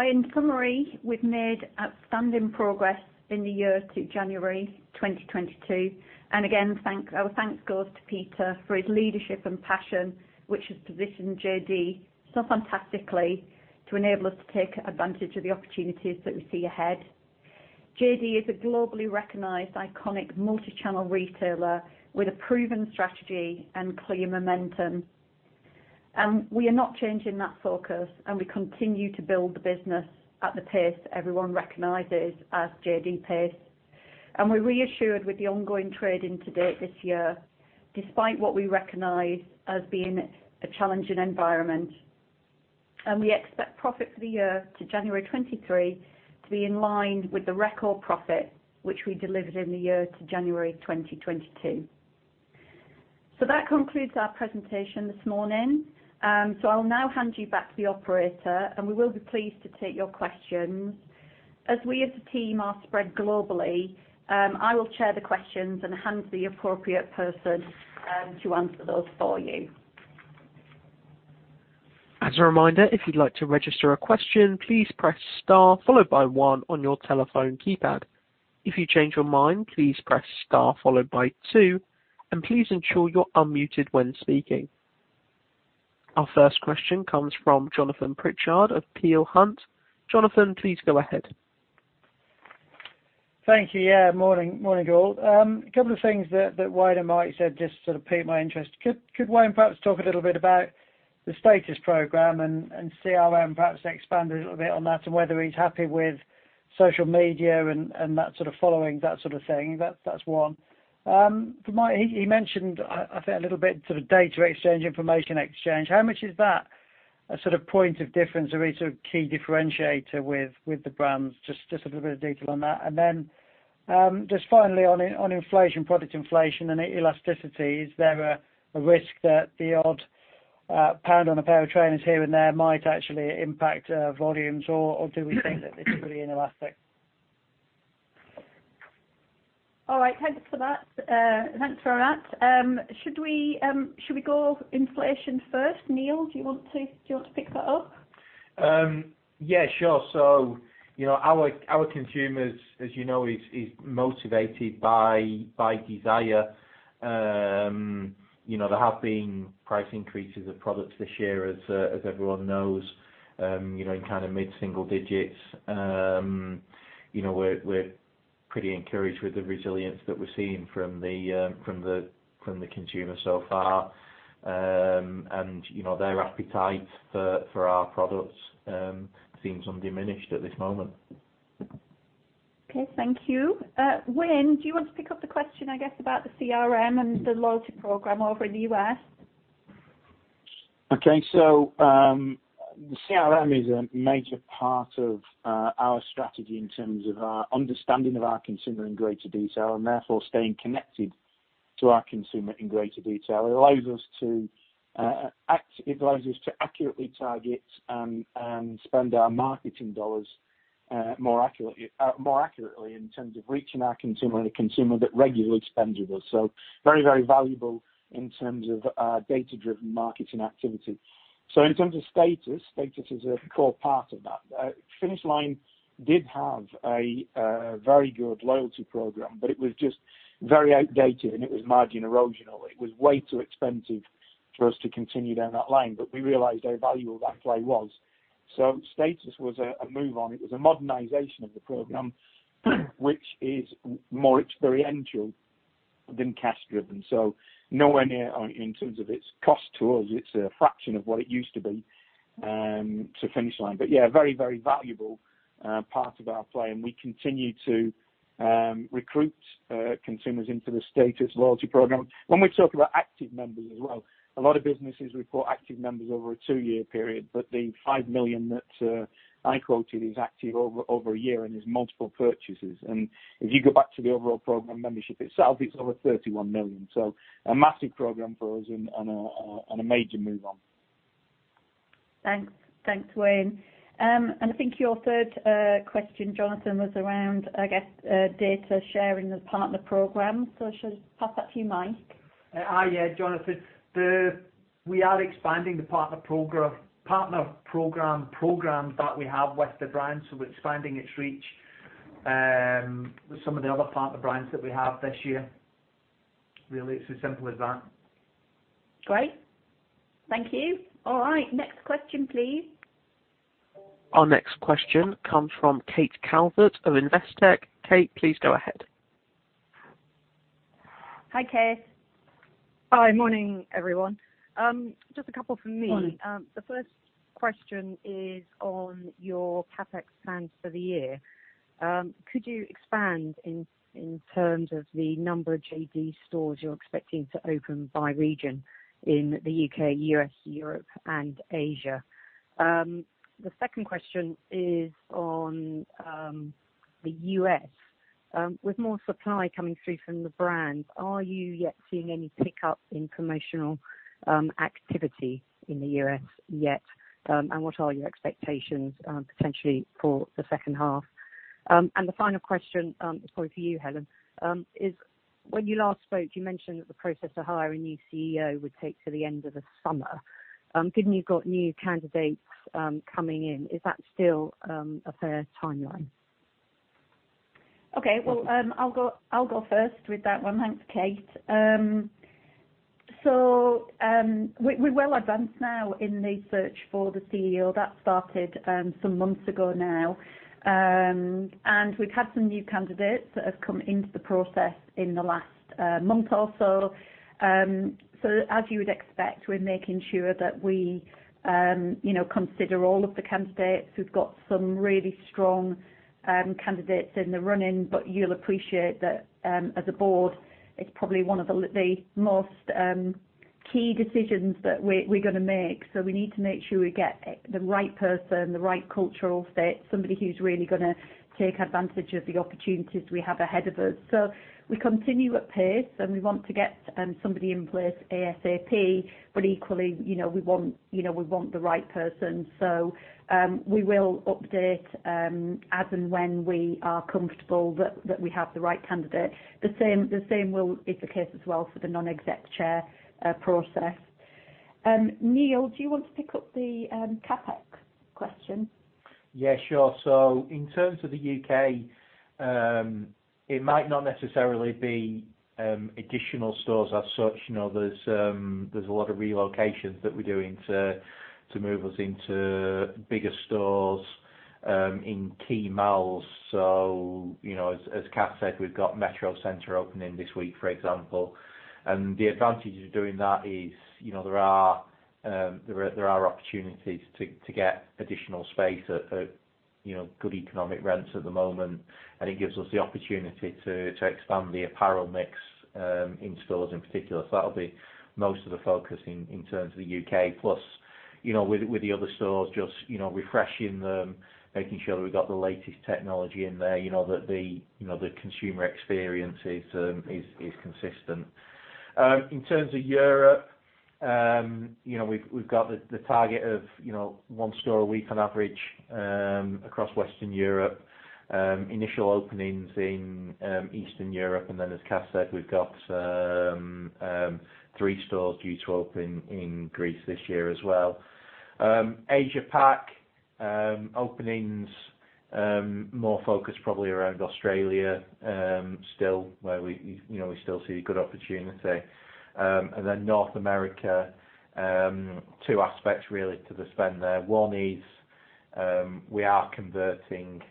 In summary, we've made outstanding progress in the year to January 2022. Again, our thanks goes to Peter for his leadership and passion, which has positioned JD so fantastically to enable us to take advantage of the opportunities that we see ahead. JD is a globally recognized iconic multi-channel retailer with a proven strategy and clear momentum. We are not changing that focus and we continue to build the business at the pace everyone recognizes as JD pace. We're reassured with the ongoing trading to date this year despite what we recognize as being a challenging environment. We expect profit for the year to January 2023 to be in line with the record profit which we delivered in the year to January 2022. That concludes our presentation this morning. I'll now hand you back to the operator and we will be pleased to take your questions. As we, as a team, are spread globally, I will chair the questions and hand to the appropriate person to answer those for you. As a reminder, if you'd like to register a question, please press star followed by one on your telephone keypad. If you change your mind, please press star followed by two, and please ensure you're unmuted when speaking. Our first question comes from Jonathan Pritchard of Peel Hunt. Jonathan, please go ahead. Thank you. Yeah, morning. Morning, all. Couple of things that Wayne and Mike said just sort of piqued my interest. Could Wayne perhaps talk a little bit about the Status program and CRM, perhaps expand a little bit on that and whether he's happy with social media and that sort of following, that sort of thing? That's one. For Mike, he mentioned, I think a little bit sort of data exchange, information exchange. How much is that a sort of point of difference or a sort of key differentiator with the brands? Just a little bit of detail on that. Just finally on inflation, product inflation and elasticity, is there a risk that the odd pound on a pair of trainers here and there might actually impact volumes? Do we think that it's fully inelastic? All right. Thanks for that. Thanks for that. Should we go inflation first? Neil, do you want to pick that up? Yeah, sure. You know, our consumers, as you know, is motivated by desire. You know, there have been price increases of products this year as everyone knows, you know, in kind of mid-single digits. You know, we're pretty encouraged with the resilience that we're seeing from the consumer so far. You know, their appetite for our products seems undiminished at this moment. Okay, thank you. Wayne, do you want to pick up the question, I guess, about the CRM and the loyalty program over in the U.S.? The CRM is a major part of our strategy in terms of our understanding of our consumer in greater detail and therefore staying connected to our consumer in greater detail. It allows us to accurately target and spend our marketing dollars more accurately in terms of reaching our consumer and the consumer that regularly spends with us. Very valuable in terms of data-driven marketing activity. In terms of Status is a core part of that. Finish Line did have a very good loyalty program, but it was just very outdated, and it was margin erosional. It was way too expensive for us to continue down that line, but we realized how valuable that play was. Status was a move on. It was a modernization of the program, which is more experiential than cash driven. Nowhere near in terms of its cost to us, it's a fraction of what it used to be to Finish Line. Yeah, a very, very valuable part of our play, and we continue to recruit consumers into the STATUS loyalty program. When we talk about active members as well, a lot of businesses report active members over a two-year period, but the 5 million that I quoted is active over a year and is multiple purchases. If you go back to the overall program membership itself, it's over 31 million. A massive program for us and a major move on. Thanks. Thanks, Wayne. I think your third question, Jonathan, was around, I guess, data sharing and partner programs. I should pass that to you, Mike. Yeah, Jonathan. We are expanding the partner programs that we have with the brands, so expanding its reach with some of the other partner brands that we have this year. Really, it's as simple as that. Great. Thank you. All right. Next question, please. Our next question comes from Kate Calvert of Investec. Kate, please go ahead. Hi, Kate. Hi. Morning, everyone. Just a couple from me. Morning. The first question is on your CapEx plans for the year. Could you expand in terms of the number of JD stores you're expecting to open by region in the UK, US, Europe and Asia? The second question is on the US. With more supply coming through from the brands, are you yet seeing any pickup in promotional activity in the US yet? And what are your expectations potentially for the second half? The final question is probably for you, Helen. When you last spoke, you mentioned that the process of hiring new CEO would take to the end of the summer. Given you've got new candidates coming in, is that still a fair timeline? Okay. Well, I'll go first with that one. Thanks, Kate. We're well advanced now in the search for the CEO. That started some months ago now. We've had some new candidates that have come into the process in the last month or so. As you would expect, we're making sure that we, you know, consider all of the candidates. We've got some really strong candidates in the running, but you'll appreciate that, as a board, it's probably one of the most key decisions that we're gonna make. We need to make sure we get the right person, the right cultural fit, somebody who's really gonna take advantage of the opportunities we have ahead of us. We continue at pace, and we want to get somebody in place ASAP, but equally, you know, we want the right person. We will update as and when we are comfortable that we have the right candidate. The same is the case as well for the non-exec chair process. Neil, do you want to pick up the CapEx question? Yeah, sure. In terms of the UK, it might not necessarily be additional stores as such. You know, there's a lot of relocations that we're doing to move us into bigger stores. In key malls. You know, as Kath said, we've got Metrocentre opening this week, for example. The advantage of doing that is, you know, there are opportunities to get additional space at, you know, good economic rents at the moment. It gives us the opportunity to expand the apparel mix in stores in particular. That'll be most of the focus in terms of the UK. Plus, you know, with the other stores, just, you know, refreshing them, making sure that we've got the latest technology in there, you know, that the consumer experience is consistent. In terms of Europe, you know, we've got the target of one store a week on average across Western Europe. Initial openings in Eastern Europe. Then as Kath said, we've got three stores due to open in Greece this year as well. Asia Pac openings, more focused probably around Australia, still, where we, you know, we still see good opportunity. Then North America, two aspects really to the spend there. One is, we are converting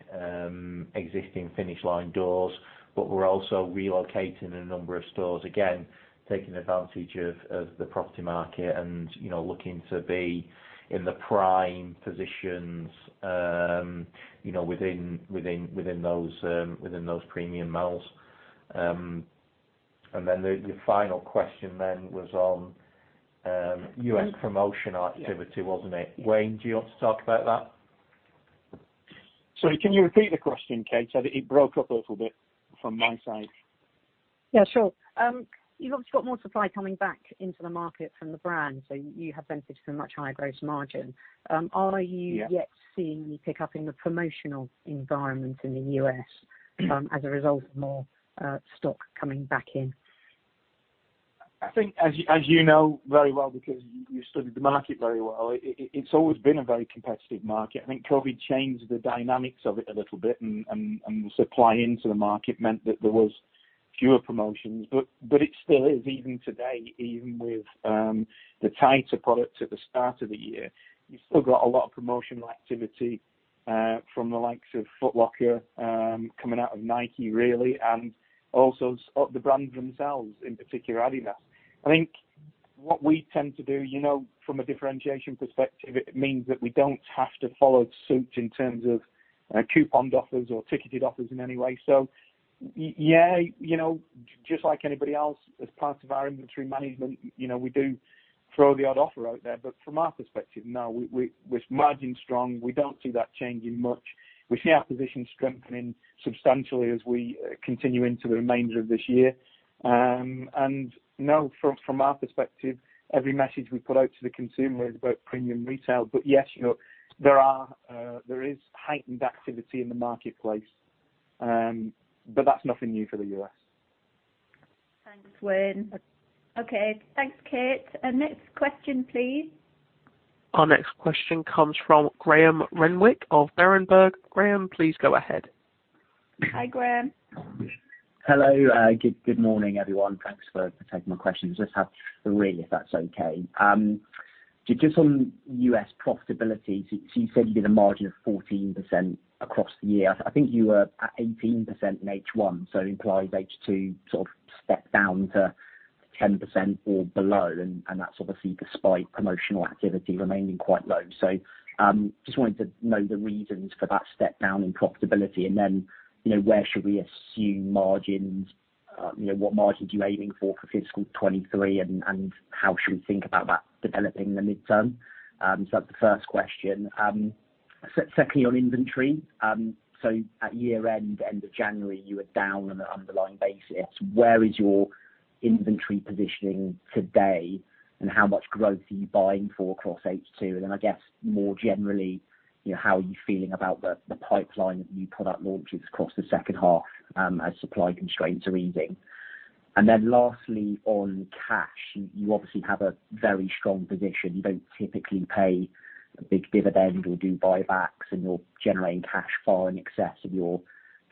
existing Finish Line doors, but we're also relocating a number of stores, again, taking advantage of the property market and, you know, looking to be in the prime positions, you know, within those premium malls. The final question was on U.S. promotion activity. Yes Wasn't it? Wayne, do you want to talk about that? Sorry, can you repeat the question, Kate? I think it broke up a little bit from my side. Yeah, sure. You've obviously got more supply coming back into the market from the brand, you have benefited from much higher gross margin. Are you- Yeah... yet seeing the pickup in the promotional environment in the U.S. as a result of more stock coming back in? I think as you know very well because you studied the market very well, it's always been a very competitive market. I think COVID changed the dynamics of it a little bit and supply into the market meant that there was fewer promotions. It still is, even today, even with the tighter products at the start of the year, you've still got a lot of promotional activity from the likes of Foot Locker coming out of Nike really, and also the brands themselves, in particular Adidas. I think what we tend to do, you know, from a differentiation perspective, it means that we don't have to follow suit in terms of coupon offers or ticketed offers in any way. Yeah, you know, just like anybody else, as part of our inventory management, you know, we do throw the odd offer out there. From our perspective, no, we, with margins strong, we don't see that changing much. We see our position strengthening substantially as we continue into the remainder of this year. No, from our perspective, every message we put out to the consumer is about premium retail. Yes, you know, there is heightened activity in the marketplace. That's nothing new for the U.S. Thanks, Wayne. Yeah. Okay. Thanks, Kate. Next question, please. Our next question comes from Graeme Renwick of Berenberg. Graeme, please go ahead. Hi, Graeme. Hello. Good morning, everyone. Thanks for taking my questions. Just have three, if that's okay. Just on US profitability, so you said you did a margin of 14% across the year. I think you were at 18% in H1, so it implies H2 sort of stepped down to 10% or below, and that's obviously despite promotional activity remaining quite low. Just wanted to know the reasons for that step down in profitability and then, you know, where should we assume margins? You know, what margins you aiming for fiscal 2023, and how should we think about that developing in the midterm? That's the first question. Secondly on inventory, so at year-end, end of January, you were down on an underlying basis. Where is your inventory positioning today, and how much growth are you buying for across H2? I guess more generally, you know, how are you feeling about the pipeline of new product launches across the second half, as supply constraints are easing? Lastly on cash, you obviously have a very strong position. You don't typically pay a big dividend or do buybacks, and you're generating cash far in excess of your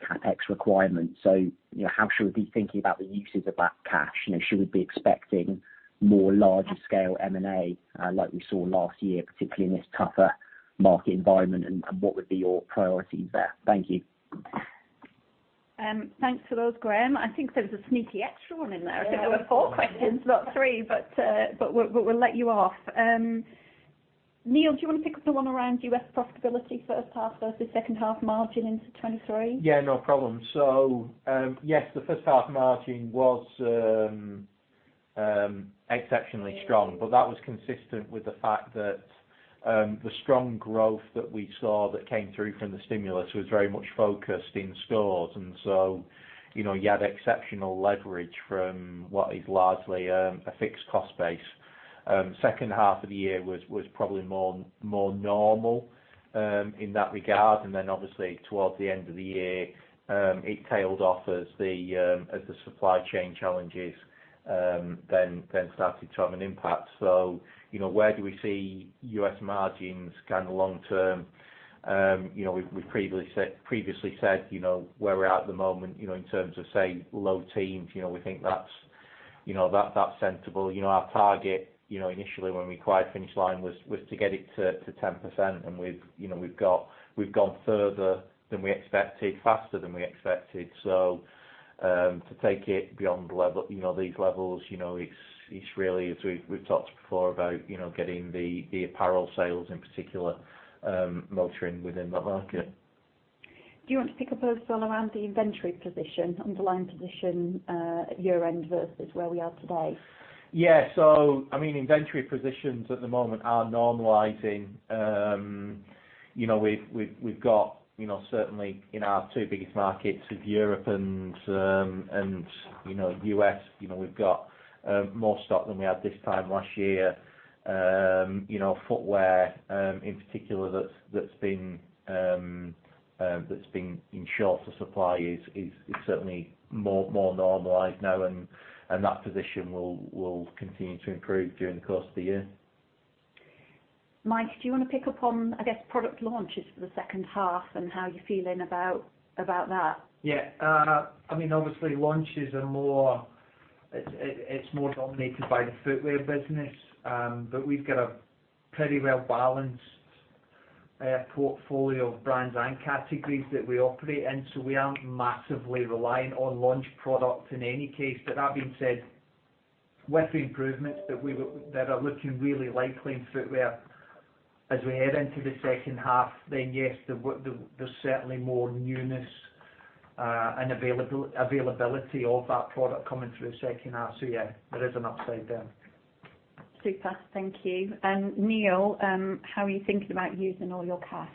CapEx requirements. You know, how should we be thinking about the uses of that cash? You know, should we be expecting more larger scale M&A, like we saw last year, particularly in this tougher market environment, and what would be your priorities there? Thank you. Thanks for those, Graeme. I think there was a sneaky extra one in there. I think there were four questions, not three, but we'll let you off. Neil, do you wanna pick up the one around U.S. profitability first half versus second half margin into 2023? Yeah, no problem. Yes, the first half margin was exceptionally strong, but that was consistent with the fact that the strong growth that we saw that came through from the stimulus was very much focused in stores. You know, you had exceptional leverage from what is largely a fixed cost base. Second half of the year was probably more normal in that regard. Obviously towards the end of the year, it tailed off as the supply chain challenges started to have an impact. You know, where do we see U.S. margins kind of long term? You know, we've previously said, you know, where we're at at the moment, you know, in terms of say, low teens, you know, we think that's. You know, that's sensible. You know, our target, you know, initially when we acquired Finish Line was to get it to 10% and we've, you know, we've gone further than we expected, faster than we expected. To take it beyond level, you know, these levels, you know, it's really as we've talked before about, you know, getting the apparel sales in particular, motoring within that market. Do you want to pick up as well around the inventory position, underlying position, at year-end versus where we are today? Yeah. I mean, inventory positions at the moment are normalizing. You know, we've got, you know, certainly in our two biggest markets of Europe and U.S., you know, we've got more stock than we had this time last year. You know, footwear in particular that's been in shorter supply is certainly more normalized now, and that position will continue to improve during the course of the year. Mike, do you wanna pick up on, I guess, product launches for the second half and how you're feeling about that? Yeah. I mean, obviously launches are more dominated by the footwear business. We've got a pretty well-balanced portfolio of brands and categories that we operate in, so we aren't massively reliant on launch products in any case. That being said, with the improvements that are looking really likely in footwear as we head into the second half, yes, there's certainly more newness and availability of that product coming through the second half. Yeah, there is an upside there. Super. Thank you. Neil, how are you thinking about using all your cash?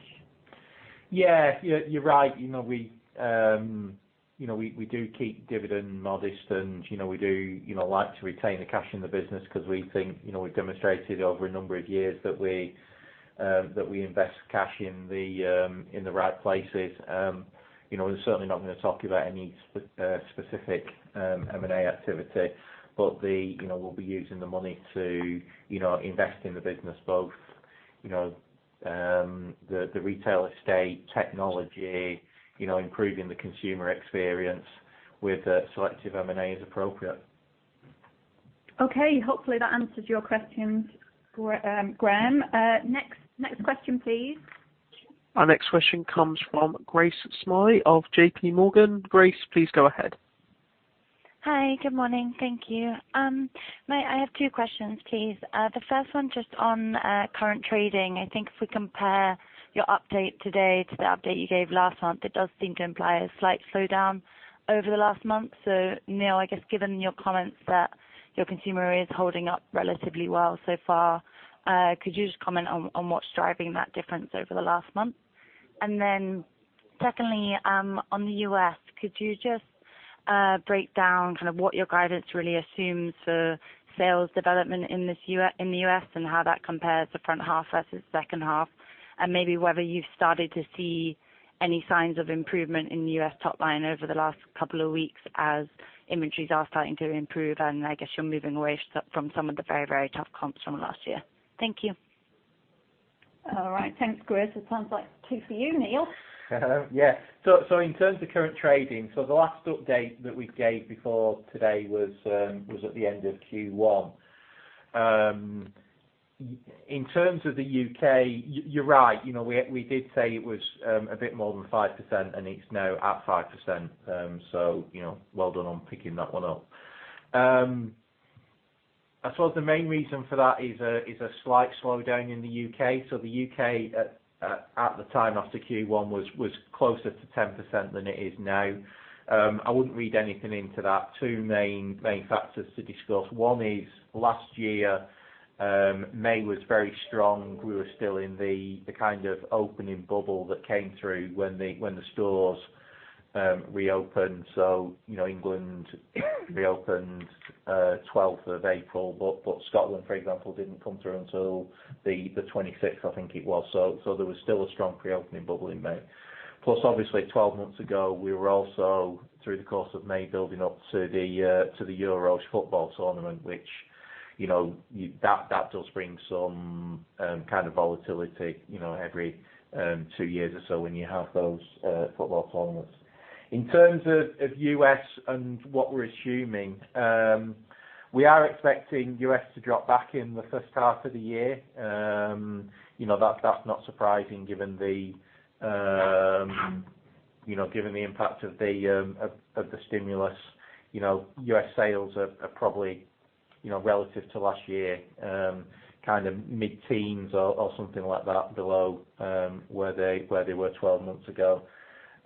Yeah. You're right. You know, we do keep dividend modest and you know, we do like to retain the cash in the business 'cause we think you know, we've demonstrated over a number of years that we invest cash in the right places. You know, we're certainly not gonna talk about any specific M&A activity, but you know, we'll be using the money to you know, invest in the business both the retail estate technology, improving the consumer experience with selective M&A as appropriate. Okay. Hopefully, that answers your questions, Graeme. Next question, please. Our next question comes from Georgina Johanan of JP Morgan. Georgina, please go ahead. Hi. Good morning. Thank you. Neil, I have two questions, please. The first one, just on current trading. I think if we compare your update today to the update you gave last month, it does seem to imply a slight slowdown over the last month. Neil, I guess given your comments that your consumer is holding up relatively well so far, could you just comment on what's driving that difference over the last month? Secondly, on the US, could you just break down kind of what your guidance really assumes for sales development in the US and how that compares to front half versus second half? Maybe whether you've started to see any signs of improvement in the U.S. top line over the last couple of weeks as inventories are starting to improve and I guess you're moving away from some of the very, very tough comps from last year. Thank you. All right. Thanks, Georgina. It sounds like two for you, Neil. Yeah. In terms of current trading, the last update that we gave before today was at the end of Q1. In terms of the UK, you're right. You know, we did say it was a bit more than 5% and it's now at 5%. You know, well done on picking that one up. I suppose the main reason for that is a slight slowdown in the UK. The UK at the time after Q1 was closer to 10% than it is now. I wouldn't read anything into that. Two main factors to discuss. One is, last year, May was very strong. We were still in the kind of opening bubble that came through when the stores reopened. you know, England reopened 12th of April, but Scotland, for example, didn't come through until the 26th, I think it was. there was still a strong pre-opening bubble in May. Plus obviously 12 months ago, we were also through the course of May building up to the Euros football tournament, which, you know, that does bring some kind of volatility, you know, every two years or so when you have those football tournaments. In terms of U.S. and what we're assuming, we are expecting U.S. to drop back in the first half of the year. you know, that's not surprising given the impact of the stimulus. You know, U.S. sales are probably, you know, relative to last year, kind of mid-teens or something like that below where they were 12 months ago.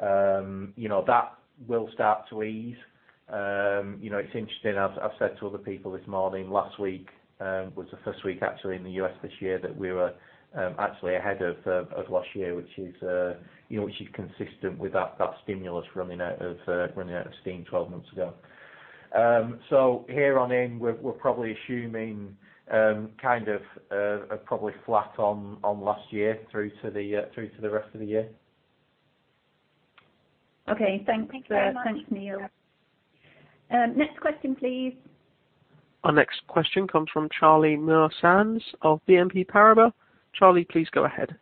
You know, that will start to ease. You know, it's interesting. I've said to other people this morning, last week was the first week actually in the U.S. this year that we were actually ahead of last year, which is, you know, which is consistent with that stimulus running out of steam 12 months ago. Here on in, we're probably assuming kind of probably flat on last year through to the rest of the year. Okay. Thanks. Thank you very much. Thanks, Neil. Next question, please. Our next question comes from Charlie Muir-Sands of BNP Paribas. Charlie, please go ahead.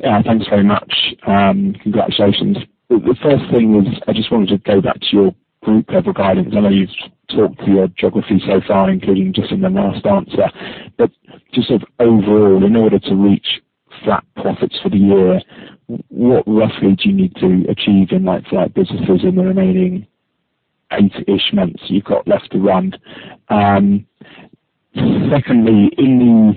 Yeah, thanks very much. Congratulations. The first thing was I just wanted to go back to your group level guidance. I know you've talked through your geography so far, including just in the last answer. Just sort of overall, in order to reach flat profits for the year, what roughly do you need to achieve in like flat businesses in the remaining eight-ish months you've got left to run? Secondly, in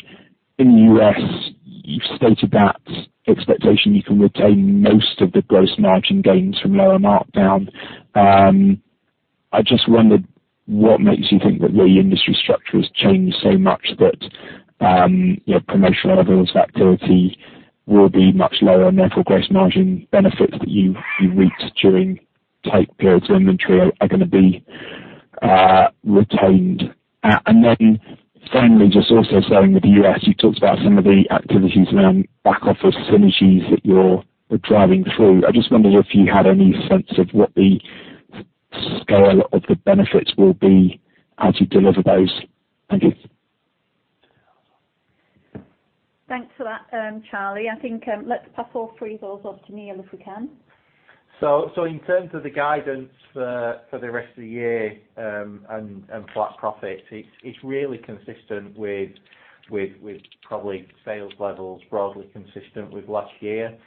the U.S., you've stated that expectation you can retain most of the gross margin gains from lower markdown. I just wondered what makes you think that the industry structure has changed so much that you know promotional levels of activity will be much lower and therefore gross margin benefits that you reaped during tight periods of inventory are gonna be retained. Finally, just also staying with the US, you talked about some of the activities around back office synergies that you're driving through. I just wondered if you had any sense of what the scale of the benefits will be as you deliver those. Thank you. Thanks for that, Charlie. I think, let's pass all three of those off to Neil, if we can. In terms of the guidance for the rest of the year and flat profit, it's really consistent with probably sales levels broadly consistent with last year.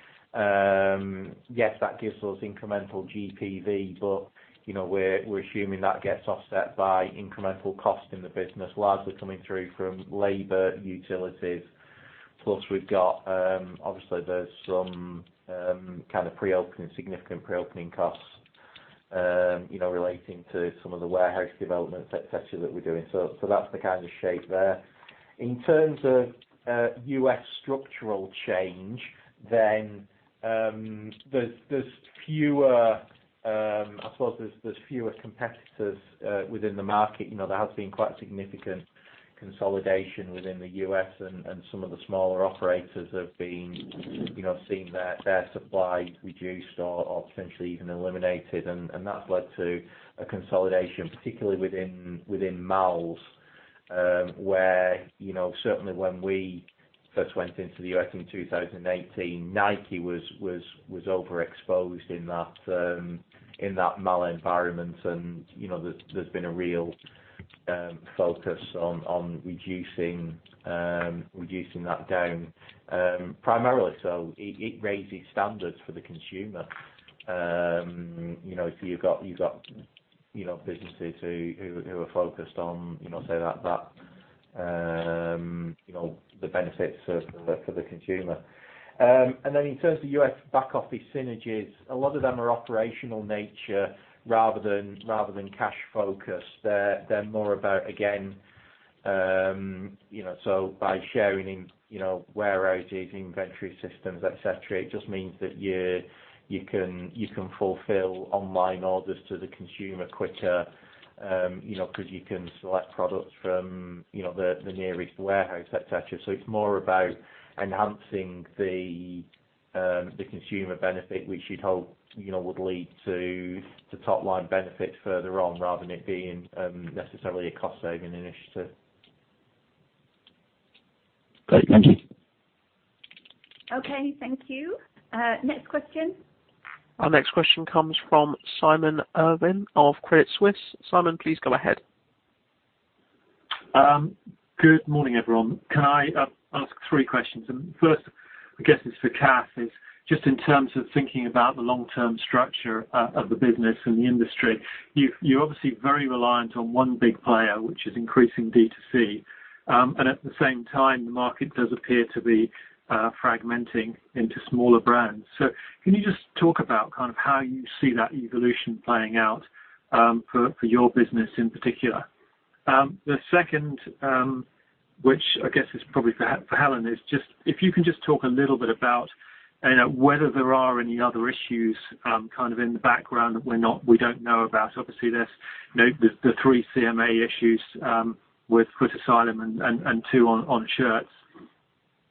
Yes, that gives us incremental GPV, but you know, we're assuming that gets offset by incremental cost in the business, largely coming through from labor, utilities. Plus we've got obviously there's some kind of pre-opening, significant pre-opening costs, you know, relating to some of the warehouse developments, et cetera, that we're doing. That's the kind of shape there. In terms of U.S. structural change, then, there's fewer competitors within the market, I suppose. You know, there has been quite significant consolidation within the U.S. and some of the smaller operators have been, you know, seeing their supply reduced or potentially even eliminated. That's led to a consolidation, particularly within malls, where, you know, certainly when we first went into the U.S. in 2018, Nike was overexposed in that mall environment. You know, there's been a real focus on reducing that down. Primarily so it raises standards for the consumer. You know, so you've got businesses who are focused on, you know, say that the benefits for the consumer. In terms of U.S. back office synergies, a lot of them are operational nature rather than cash focused. They're more about, again, you know, by sharing in, you know, warehouses, inventory systems, et cetera, it just means that you can fulfill online orders to the consumer quicker, you know, because you can select products from, you know, the nearest warehouse, et cetera. It's more about enhancing the consumer benefit, which you'd hope, you know, would lead to top line benefit further on rather than it being necessarily a cost saving initiative. Great. Thank you. Okay, thank you. Next question. Our next question comes from Simon Irwin of Credit Suisse. Simon, please go ahead. Good morning, everyone. Can I ask three questions? First, I guess it's for Cath, is just in terms of thinking about the long term structure of the business and the industry, you're obviously very reliant on one big player, which is increasing D2C. And at the same time, the market does appear to be fragmenting into smaller brands. So can you just talk about kind of how you see that evolution playing out for your business in particular? The second, which I guess is probably for Helen, is just if you can just talk a little bit about, you know, whether there are any other issues kind of in the background that we don't know about. Obviously, there's, you know, the three CMA issues with Footasylum and two on shirts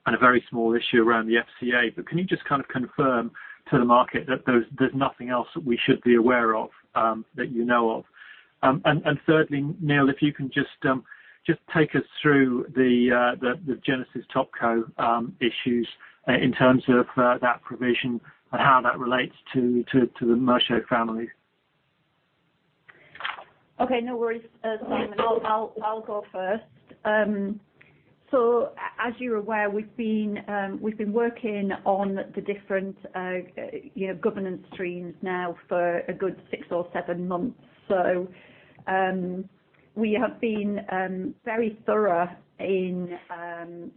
and a very small issue around the FCA. Can you just kind of confirm to the market that there's nothing else that we should be aware of, that you know of? Thirdly, Neil, if you can just take us through the Genesis Topco issues in terms of that provision and how that relates to the Rubin family. Okay, no worries. Simon, I'll go first. As you're aware, we've been working on the different, you know, governance streams now for a good six or seven months. We have been very thorough in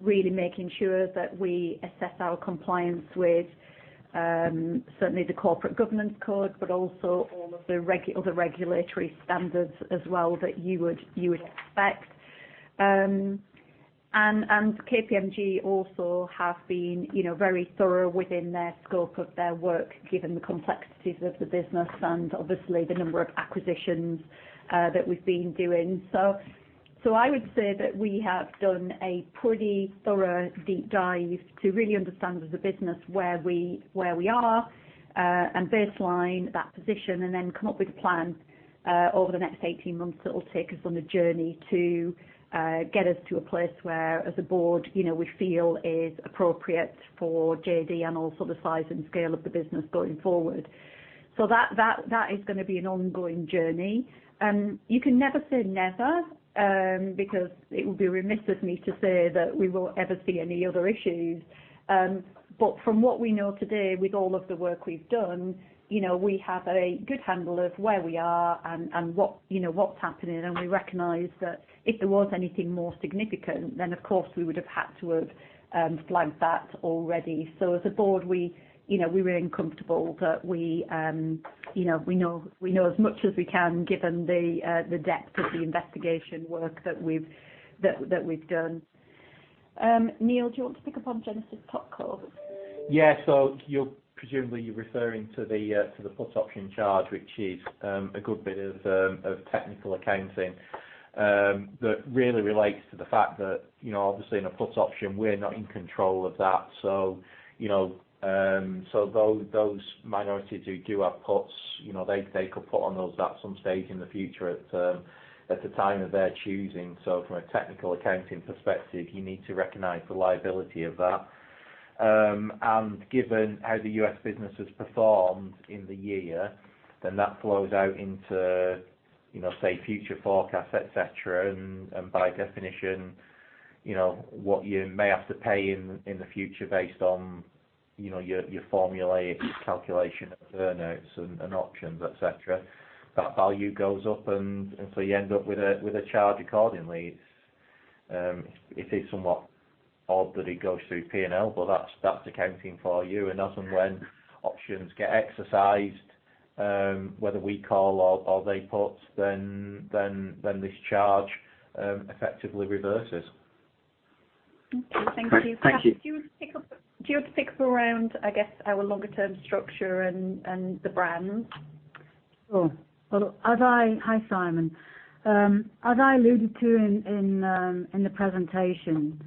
really making sure that we assess our compliance with certainly the corporate governance code, but also all of the other regulatory standards as well that you would expect. KPMG also have been, you know, very thorough within their scope of their work, given the complexities of the business and obviously the number of acquisitions that we've been doing. I would say that we have done a pretty thorough deep dive to really understand as a business where we are and baseline that position and then come up with a plan over the next 18 months that will take us on a journey to get us to a place where as a board, you know, we feel is appropriate for JD and also the size and scale of the business going forward. That is going to be an ongoing journey. You can never say never, because it would be remiss of me to say that we will ever see any other issues. But from what we know today, with all of the work we've done, you know, we have a good handle of where we are and what, you know, what's happening. We recognize that if there was anything more significant, then of course, we would have had to have flagged that already. As a board, you know, we were uncomfortable, but you know, we know as much as we can, given the depth of the investigation work that we've done. Neil, do you want to pick up on Genesis put calls? Yeah. You're presumably referring to the put option charge, which is a good bit of technical accounting that really relates to the fact that, you know, obviously in a put option, we're not in control of that. Though those minorities who do have puts, you know, they could put on those at some stage in the future at the time of their choosing. From a technical accounting perspective, you need to recognize the liability of that. Given how the U.S. business has performed in the year, then that flows out into, you know, say, future forecasts, et cetera. By definition, you know what you may have to pay in the future based on, you know, your formulaic calculation of earn-outs and options, et cetera. That value goes up and so you end up with a charge accordingly. It is somewhat odd that it goes through P&L, but that's accounting for you. As and when options get exercised, whether we call or they put, then this charge effectively reverses. Okay. Thank you. Thank you. Kath, do you want to pick up around, I guess, our longer term structure and the brands? Sure. Well, Hi, Simon. As I alluded to in the presentation,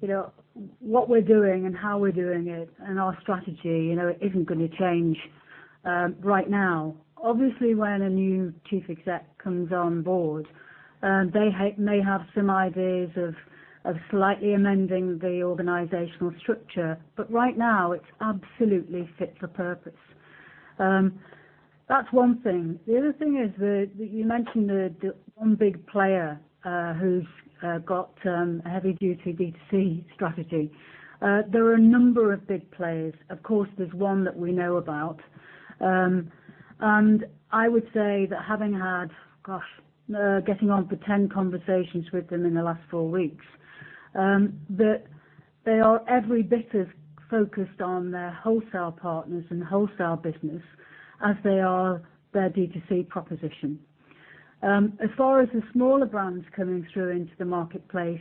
you know, what we're doing and how we're doing it and our strategy, you know, isn't gonna change right now. Obviously, when a new chief exec comes on board, they may have some ideas of slightly amending the organizational structure. Right now, it absolutely fits the purpose. That's one thing. The other thing is that you mentioned the one big player who's got a heavy duty D2C strategy. There are a number of big players. Of course, there's one that we know about. I would say that having had getting on for 10 conversations with them in the last four weeks, that they are every bit as focused on their wholesale partners and wholesale business as they are their D2C proposition. As far as the smaller brands coming through into the marketplace,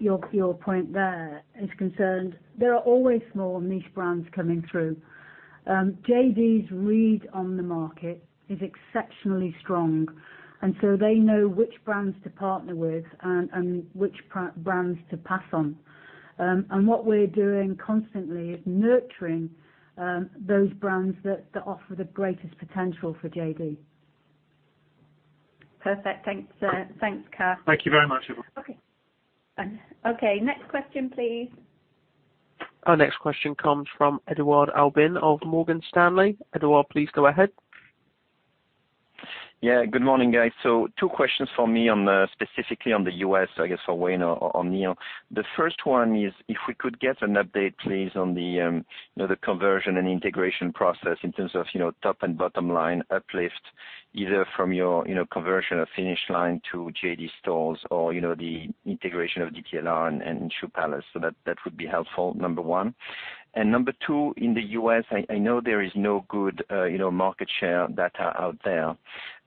your point there is concerned, there are always small niche brands coming through. JD's read on the market is exceptionally strong, and so they know which brands to partner with and which brands to pass on. What we're doing constantly is nurturing those brands that offer the greatest potential for JD. Perfect. Thanks, Kath. Thank you very much, everyone. Okay. Bye. Okay, next question, please. Our next question comes from Edouard Aubin of Morgan Stanley. Edouard, please go ahead. Yeah, good morning, guys. Two questions from me on specifically on the US, I guess for Wayne or Neil. The first one is if we could get an update, please, on the conversion and integration process in terms of top and bottom line uplift, either from your conversion of Finish Line to JD stores or the integration of DTLR and Shoe Palace. That would be helpful, number one. Number two, in the US, I know there is no good market share data out there.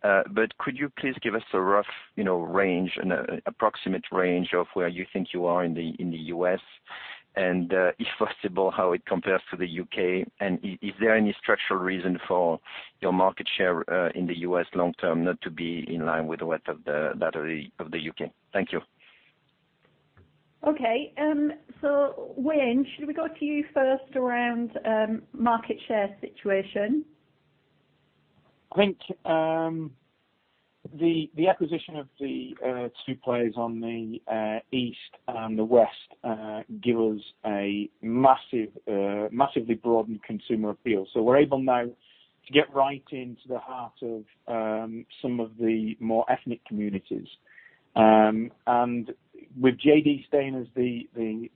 But could you please give us a rough range and an approximate range of where you think you are in the US and, if possible, how it compares to the UK? Is there any structural reason for your market share in the US long term not to be in line with the rest of the data of the UK? Thank you. Okay. Wayne, should we go to you first around market share situation? I think the acquisition of the two players on the East and the West give us a massively broadened consumer appeal. We're able now to get right into the heart of some of the more ethnic communities. With JD staying as the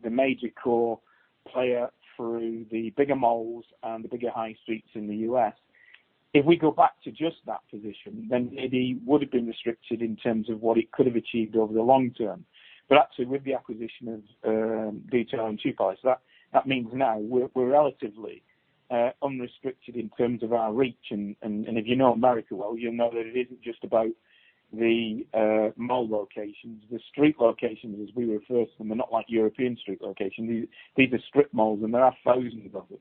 major core player through the bigger malls and the bigger high streets in the U.S., if we go back to just that position, then JD would have been restricted in terms of what it could have achieved over the long term. Actually, with the acquisition of DTLR and Shoe Palace, that means now we're relatively unrestricted in terms of our reach. If you know America well, you'll know that it isn't just about the mall locations. The street locations, as we refer to them, are not like European street locations. These are strip malls, and there are thousands of them.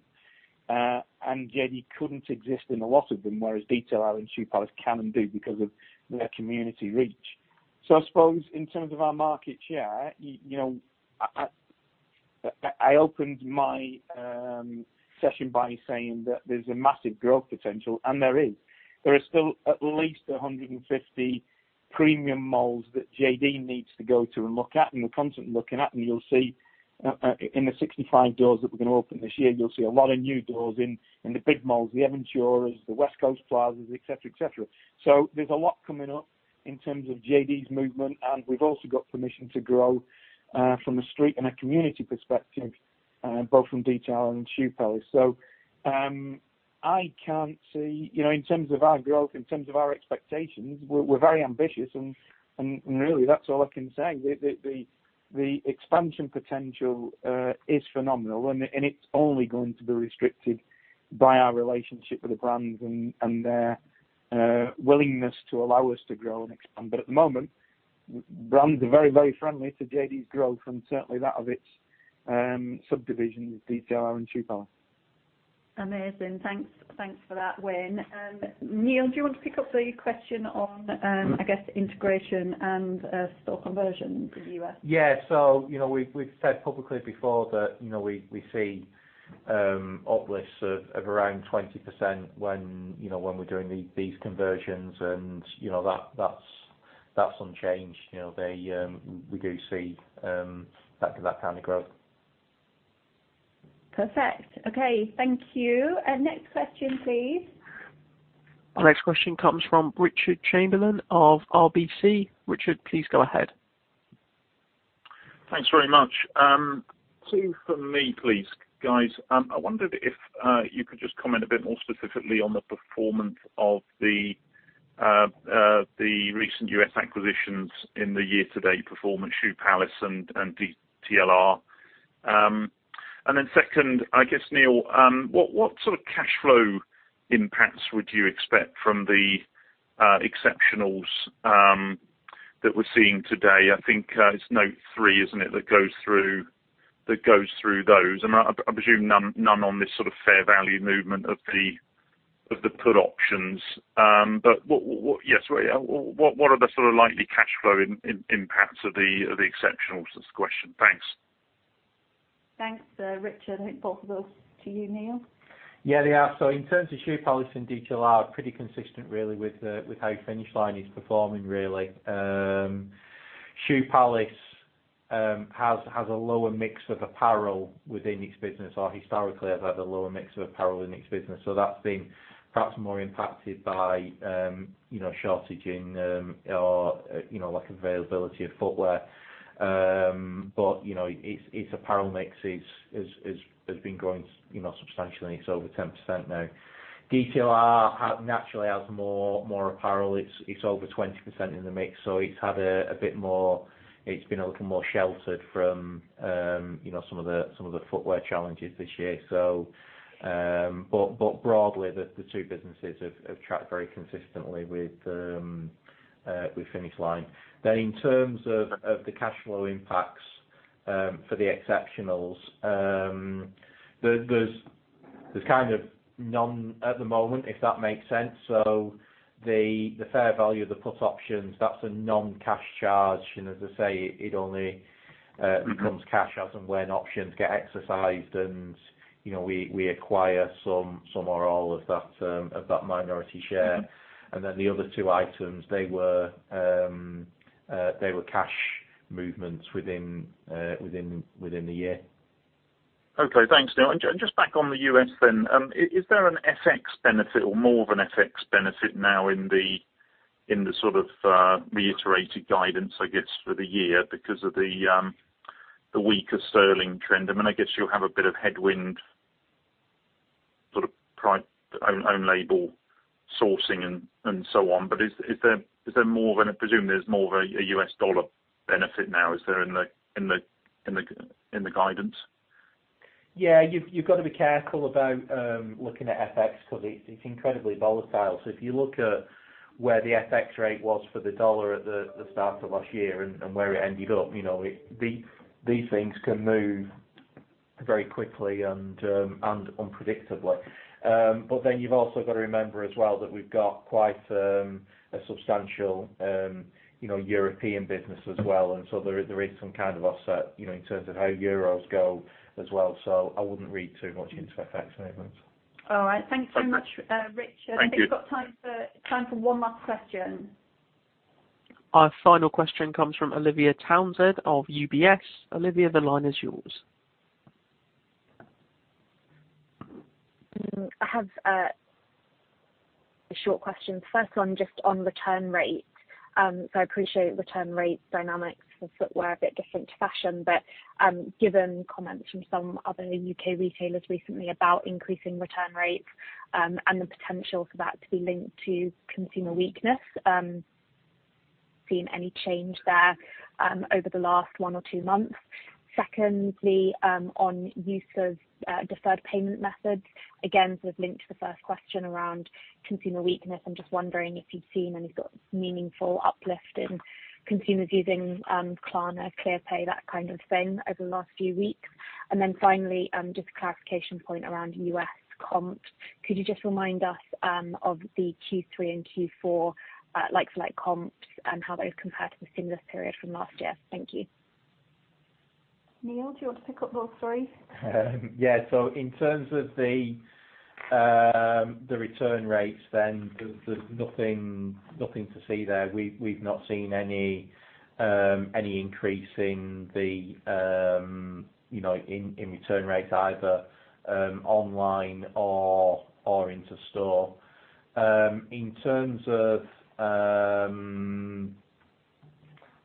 JD couldn't exist in a lot of them, whereas DTLR and Shoe Palace can and do because of their community reach. I suppose in terms of our market share, you know, I opened my session by saying that there's a massive growth potential, and there is. There are still at least 150 Premium malls that JD needs to go to and look at, and we're constantly looking at. You'll see in the 65 doors that we're gonna open this year, you'll see a lot of new doors in the big malls, the Aventura, the West Coast Plazas, et cetera, et cetera. There's a lot coming up in terms of JD's movement, and we've also got permission to grow from a street and a community perspective both from DTLR and Shoe Palace. I can't see, you know, in terms of our growth, in terms of our expectations, we're very ambitious and really, that's all I can say. The expansion potential is phenomenal, and it's only going to be restricted by our relationship with the brands and their willingness to allow us to grow and expand. At the moment, brands are very, very friendly to JD's growth and certainly that of its subdivisions, DTLR and Shoe Palace. Amazing. Thanks. Thanks for that, Wayne. Neil, do you want to pick up the question on, I guess, integration and store conversion in the US? Yeah. You know, we've said publicly before that, you know, we see uplifts of around 20% when we're doing these conversions and, you know, that's unchanged. You know, we do see that kind of growth. Perfect. Okay. Thank you. Next question, please. Our next question comes from Richard Chamberlain of RBC. Richard, please go ahead. Thanks very much. Two from me please, guys. I wondered if you could just comment a bit more specifically on the performance of the recent U.S. acquisitions in the year-to-date performance, Shoe Palace and DTLR. Second, I guess, Neil, what sort of cash flow impacts would you expect from the exceptionals that we're seeing today? I think it's note three, isn't it? That goes through those. I presume none on this sort of fair value movement of the put options. What are the sort of likely cash flow impacts of the exceptionals is the question. Thanks. Thanks, Richard. I think both of those to you, Neil. Yeah, they are. In terms of Shoe Palace and DTLR, pretty consistent really with how Finish Line is performing really. Shoe Palace has a lower mix of apparel within its business or historically has had a lower mix of apparel in its business. That's been perhaps more impacted by you know shortage in or you know like availability of footwear. But you know its apparel mix has been growing you know substantially. It's over 10% now. DTLR naturally has more apparel. It's over 20% in the mix, so it's had a bit more. It's been a little more sheltered from you know some of the footwear challenges this year. Broadly, the two businesses have tracked very consistently with Finish Line. In terms of the cash flow impacts for the exceptionals, there's kind of none at the moment, if that makes sense. The fair value of the put options, that's a non-cash charge. As I say, it only becomes cash as and when options get exercised and, you know, we acquire some or all of that minority share. The other two items, they were cash movements within the year. Okay. Thanks, Neil. Just back on the US then, is there an FX benefit or more of an FX benefit now in the sort of reiterated guidance, I guess, for the year because of the weaker sterling trend? I mean, I guess you'll have a bit of headwind sort of own label sourcing and so on. I presume there's more of a US dollar benefit now, is there in the guidance? Yeah. You've got to be careful about looking at FX because it's incredibly volatile. If you look at where the FX rate was for the dollar at the start of last year and where it ended up, you know, these things can move very quickly and unpredictably. You've also got to remember as well that we've got quite a substantial, you know, European business as well. There is some kind of offset, you know, in terms of how euros go as well. I wouldn't read too much into FX movements. All right. Thanks so much, Richard. Thank you. I think we've got time for one last question. Our final question comes from Olivia Townsend of UBS. Olivia, the line is yours. I have a short question. First one just on return rates. I appreciate return rates dynamics for footwear are a bit different to fashion, but, given comments from some other UK retailers recently about increasing return rates, and the potential for that to be linked to consumer weakness, seen any change there, over the last one or two months? Secondly, on use of, deferred payment methods, again, sort of linked to the first question around consumer weakness. I'm just wondering if you've seen any sort of meaningful uplift in consumers using, Klarna, Clearpay, that kind of thing over the last few weeks. Finally, just a clarification point around U.S. comps. Could you just remind us, of the Q3 and Q4, like-for-like comps and how those compare to the same period from last year? Thank you. Neil, do you want to pick up those three? Yeah. In terms of the return rates, then there's nothing to see there. We've not seen any increase, you know, in return rates either, online or into store. In terms of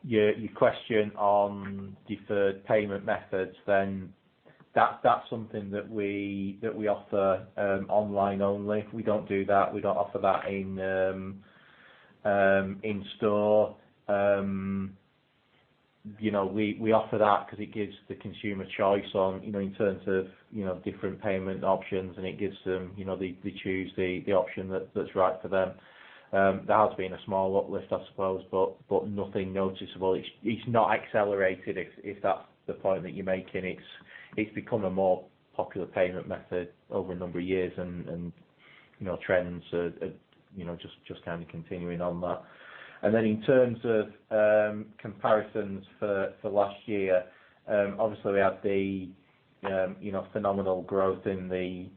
your question on deferred payment methods, that's something that we offer online only. We don't do that. We don't offer that in store. You know, we offer that 'cause it gives the consumer choice on, you know, in terms of different payment options and it gives them, you know, they choose the option that's right for them. That has been a small uplift, I suppose, but nothing noticeable. It's not accelerated, if that's the point that you're making. It's become a more popular payment method over a number of years and, you know, trends are, you know, just kinda continuing on that. Then in terms of comparisons for last year, obviously we had the phenomenal growth in the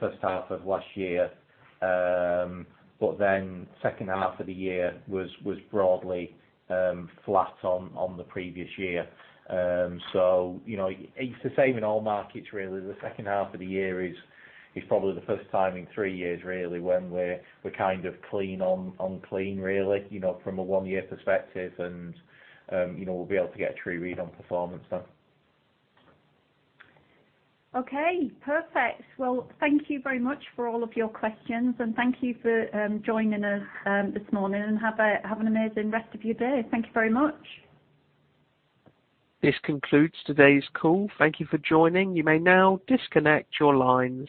first half of last year. Then second half of the year was broadly flat on the previous year. You know, it's the same in all markets really. The second half of the year is probably the first time in three years really when we're kind of clean on clean really, you know, from a one-year perspective and, you know, we'll be able to get a true read on performance then. Okay. Perfect. Well, thank you very much for all of your questions, and thank you for joining us this morning, and have an amazing rest of your day. Thank you very much. This concludes today's call. Thank you for joining. You may now disconnect your lines.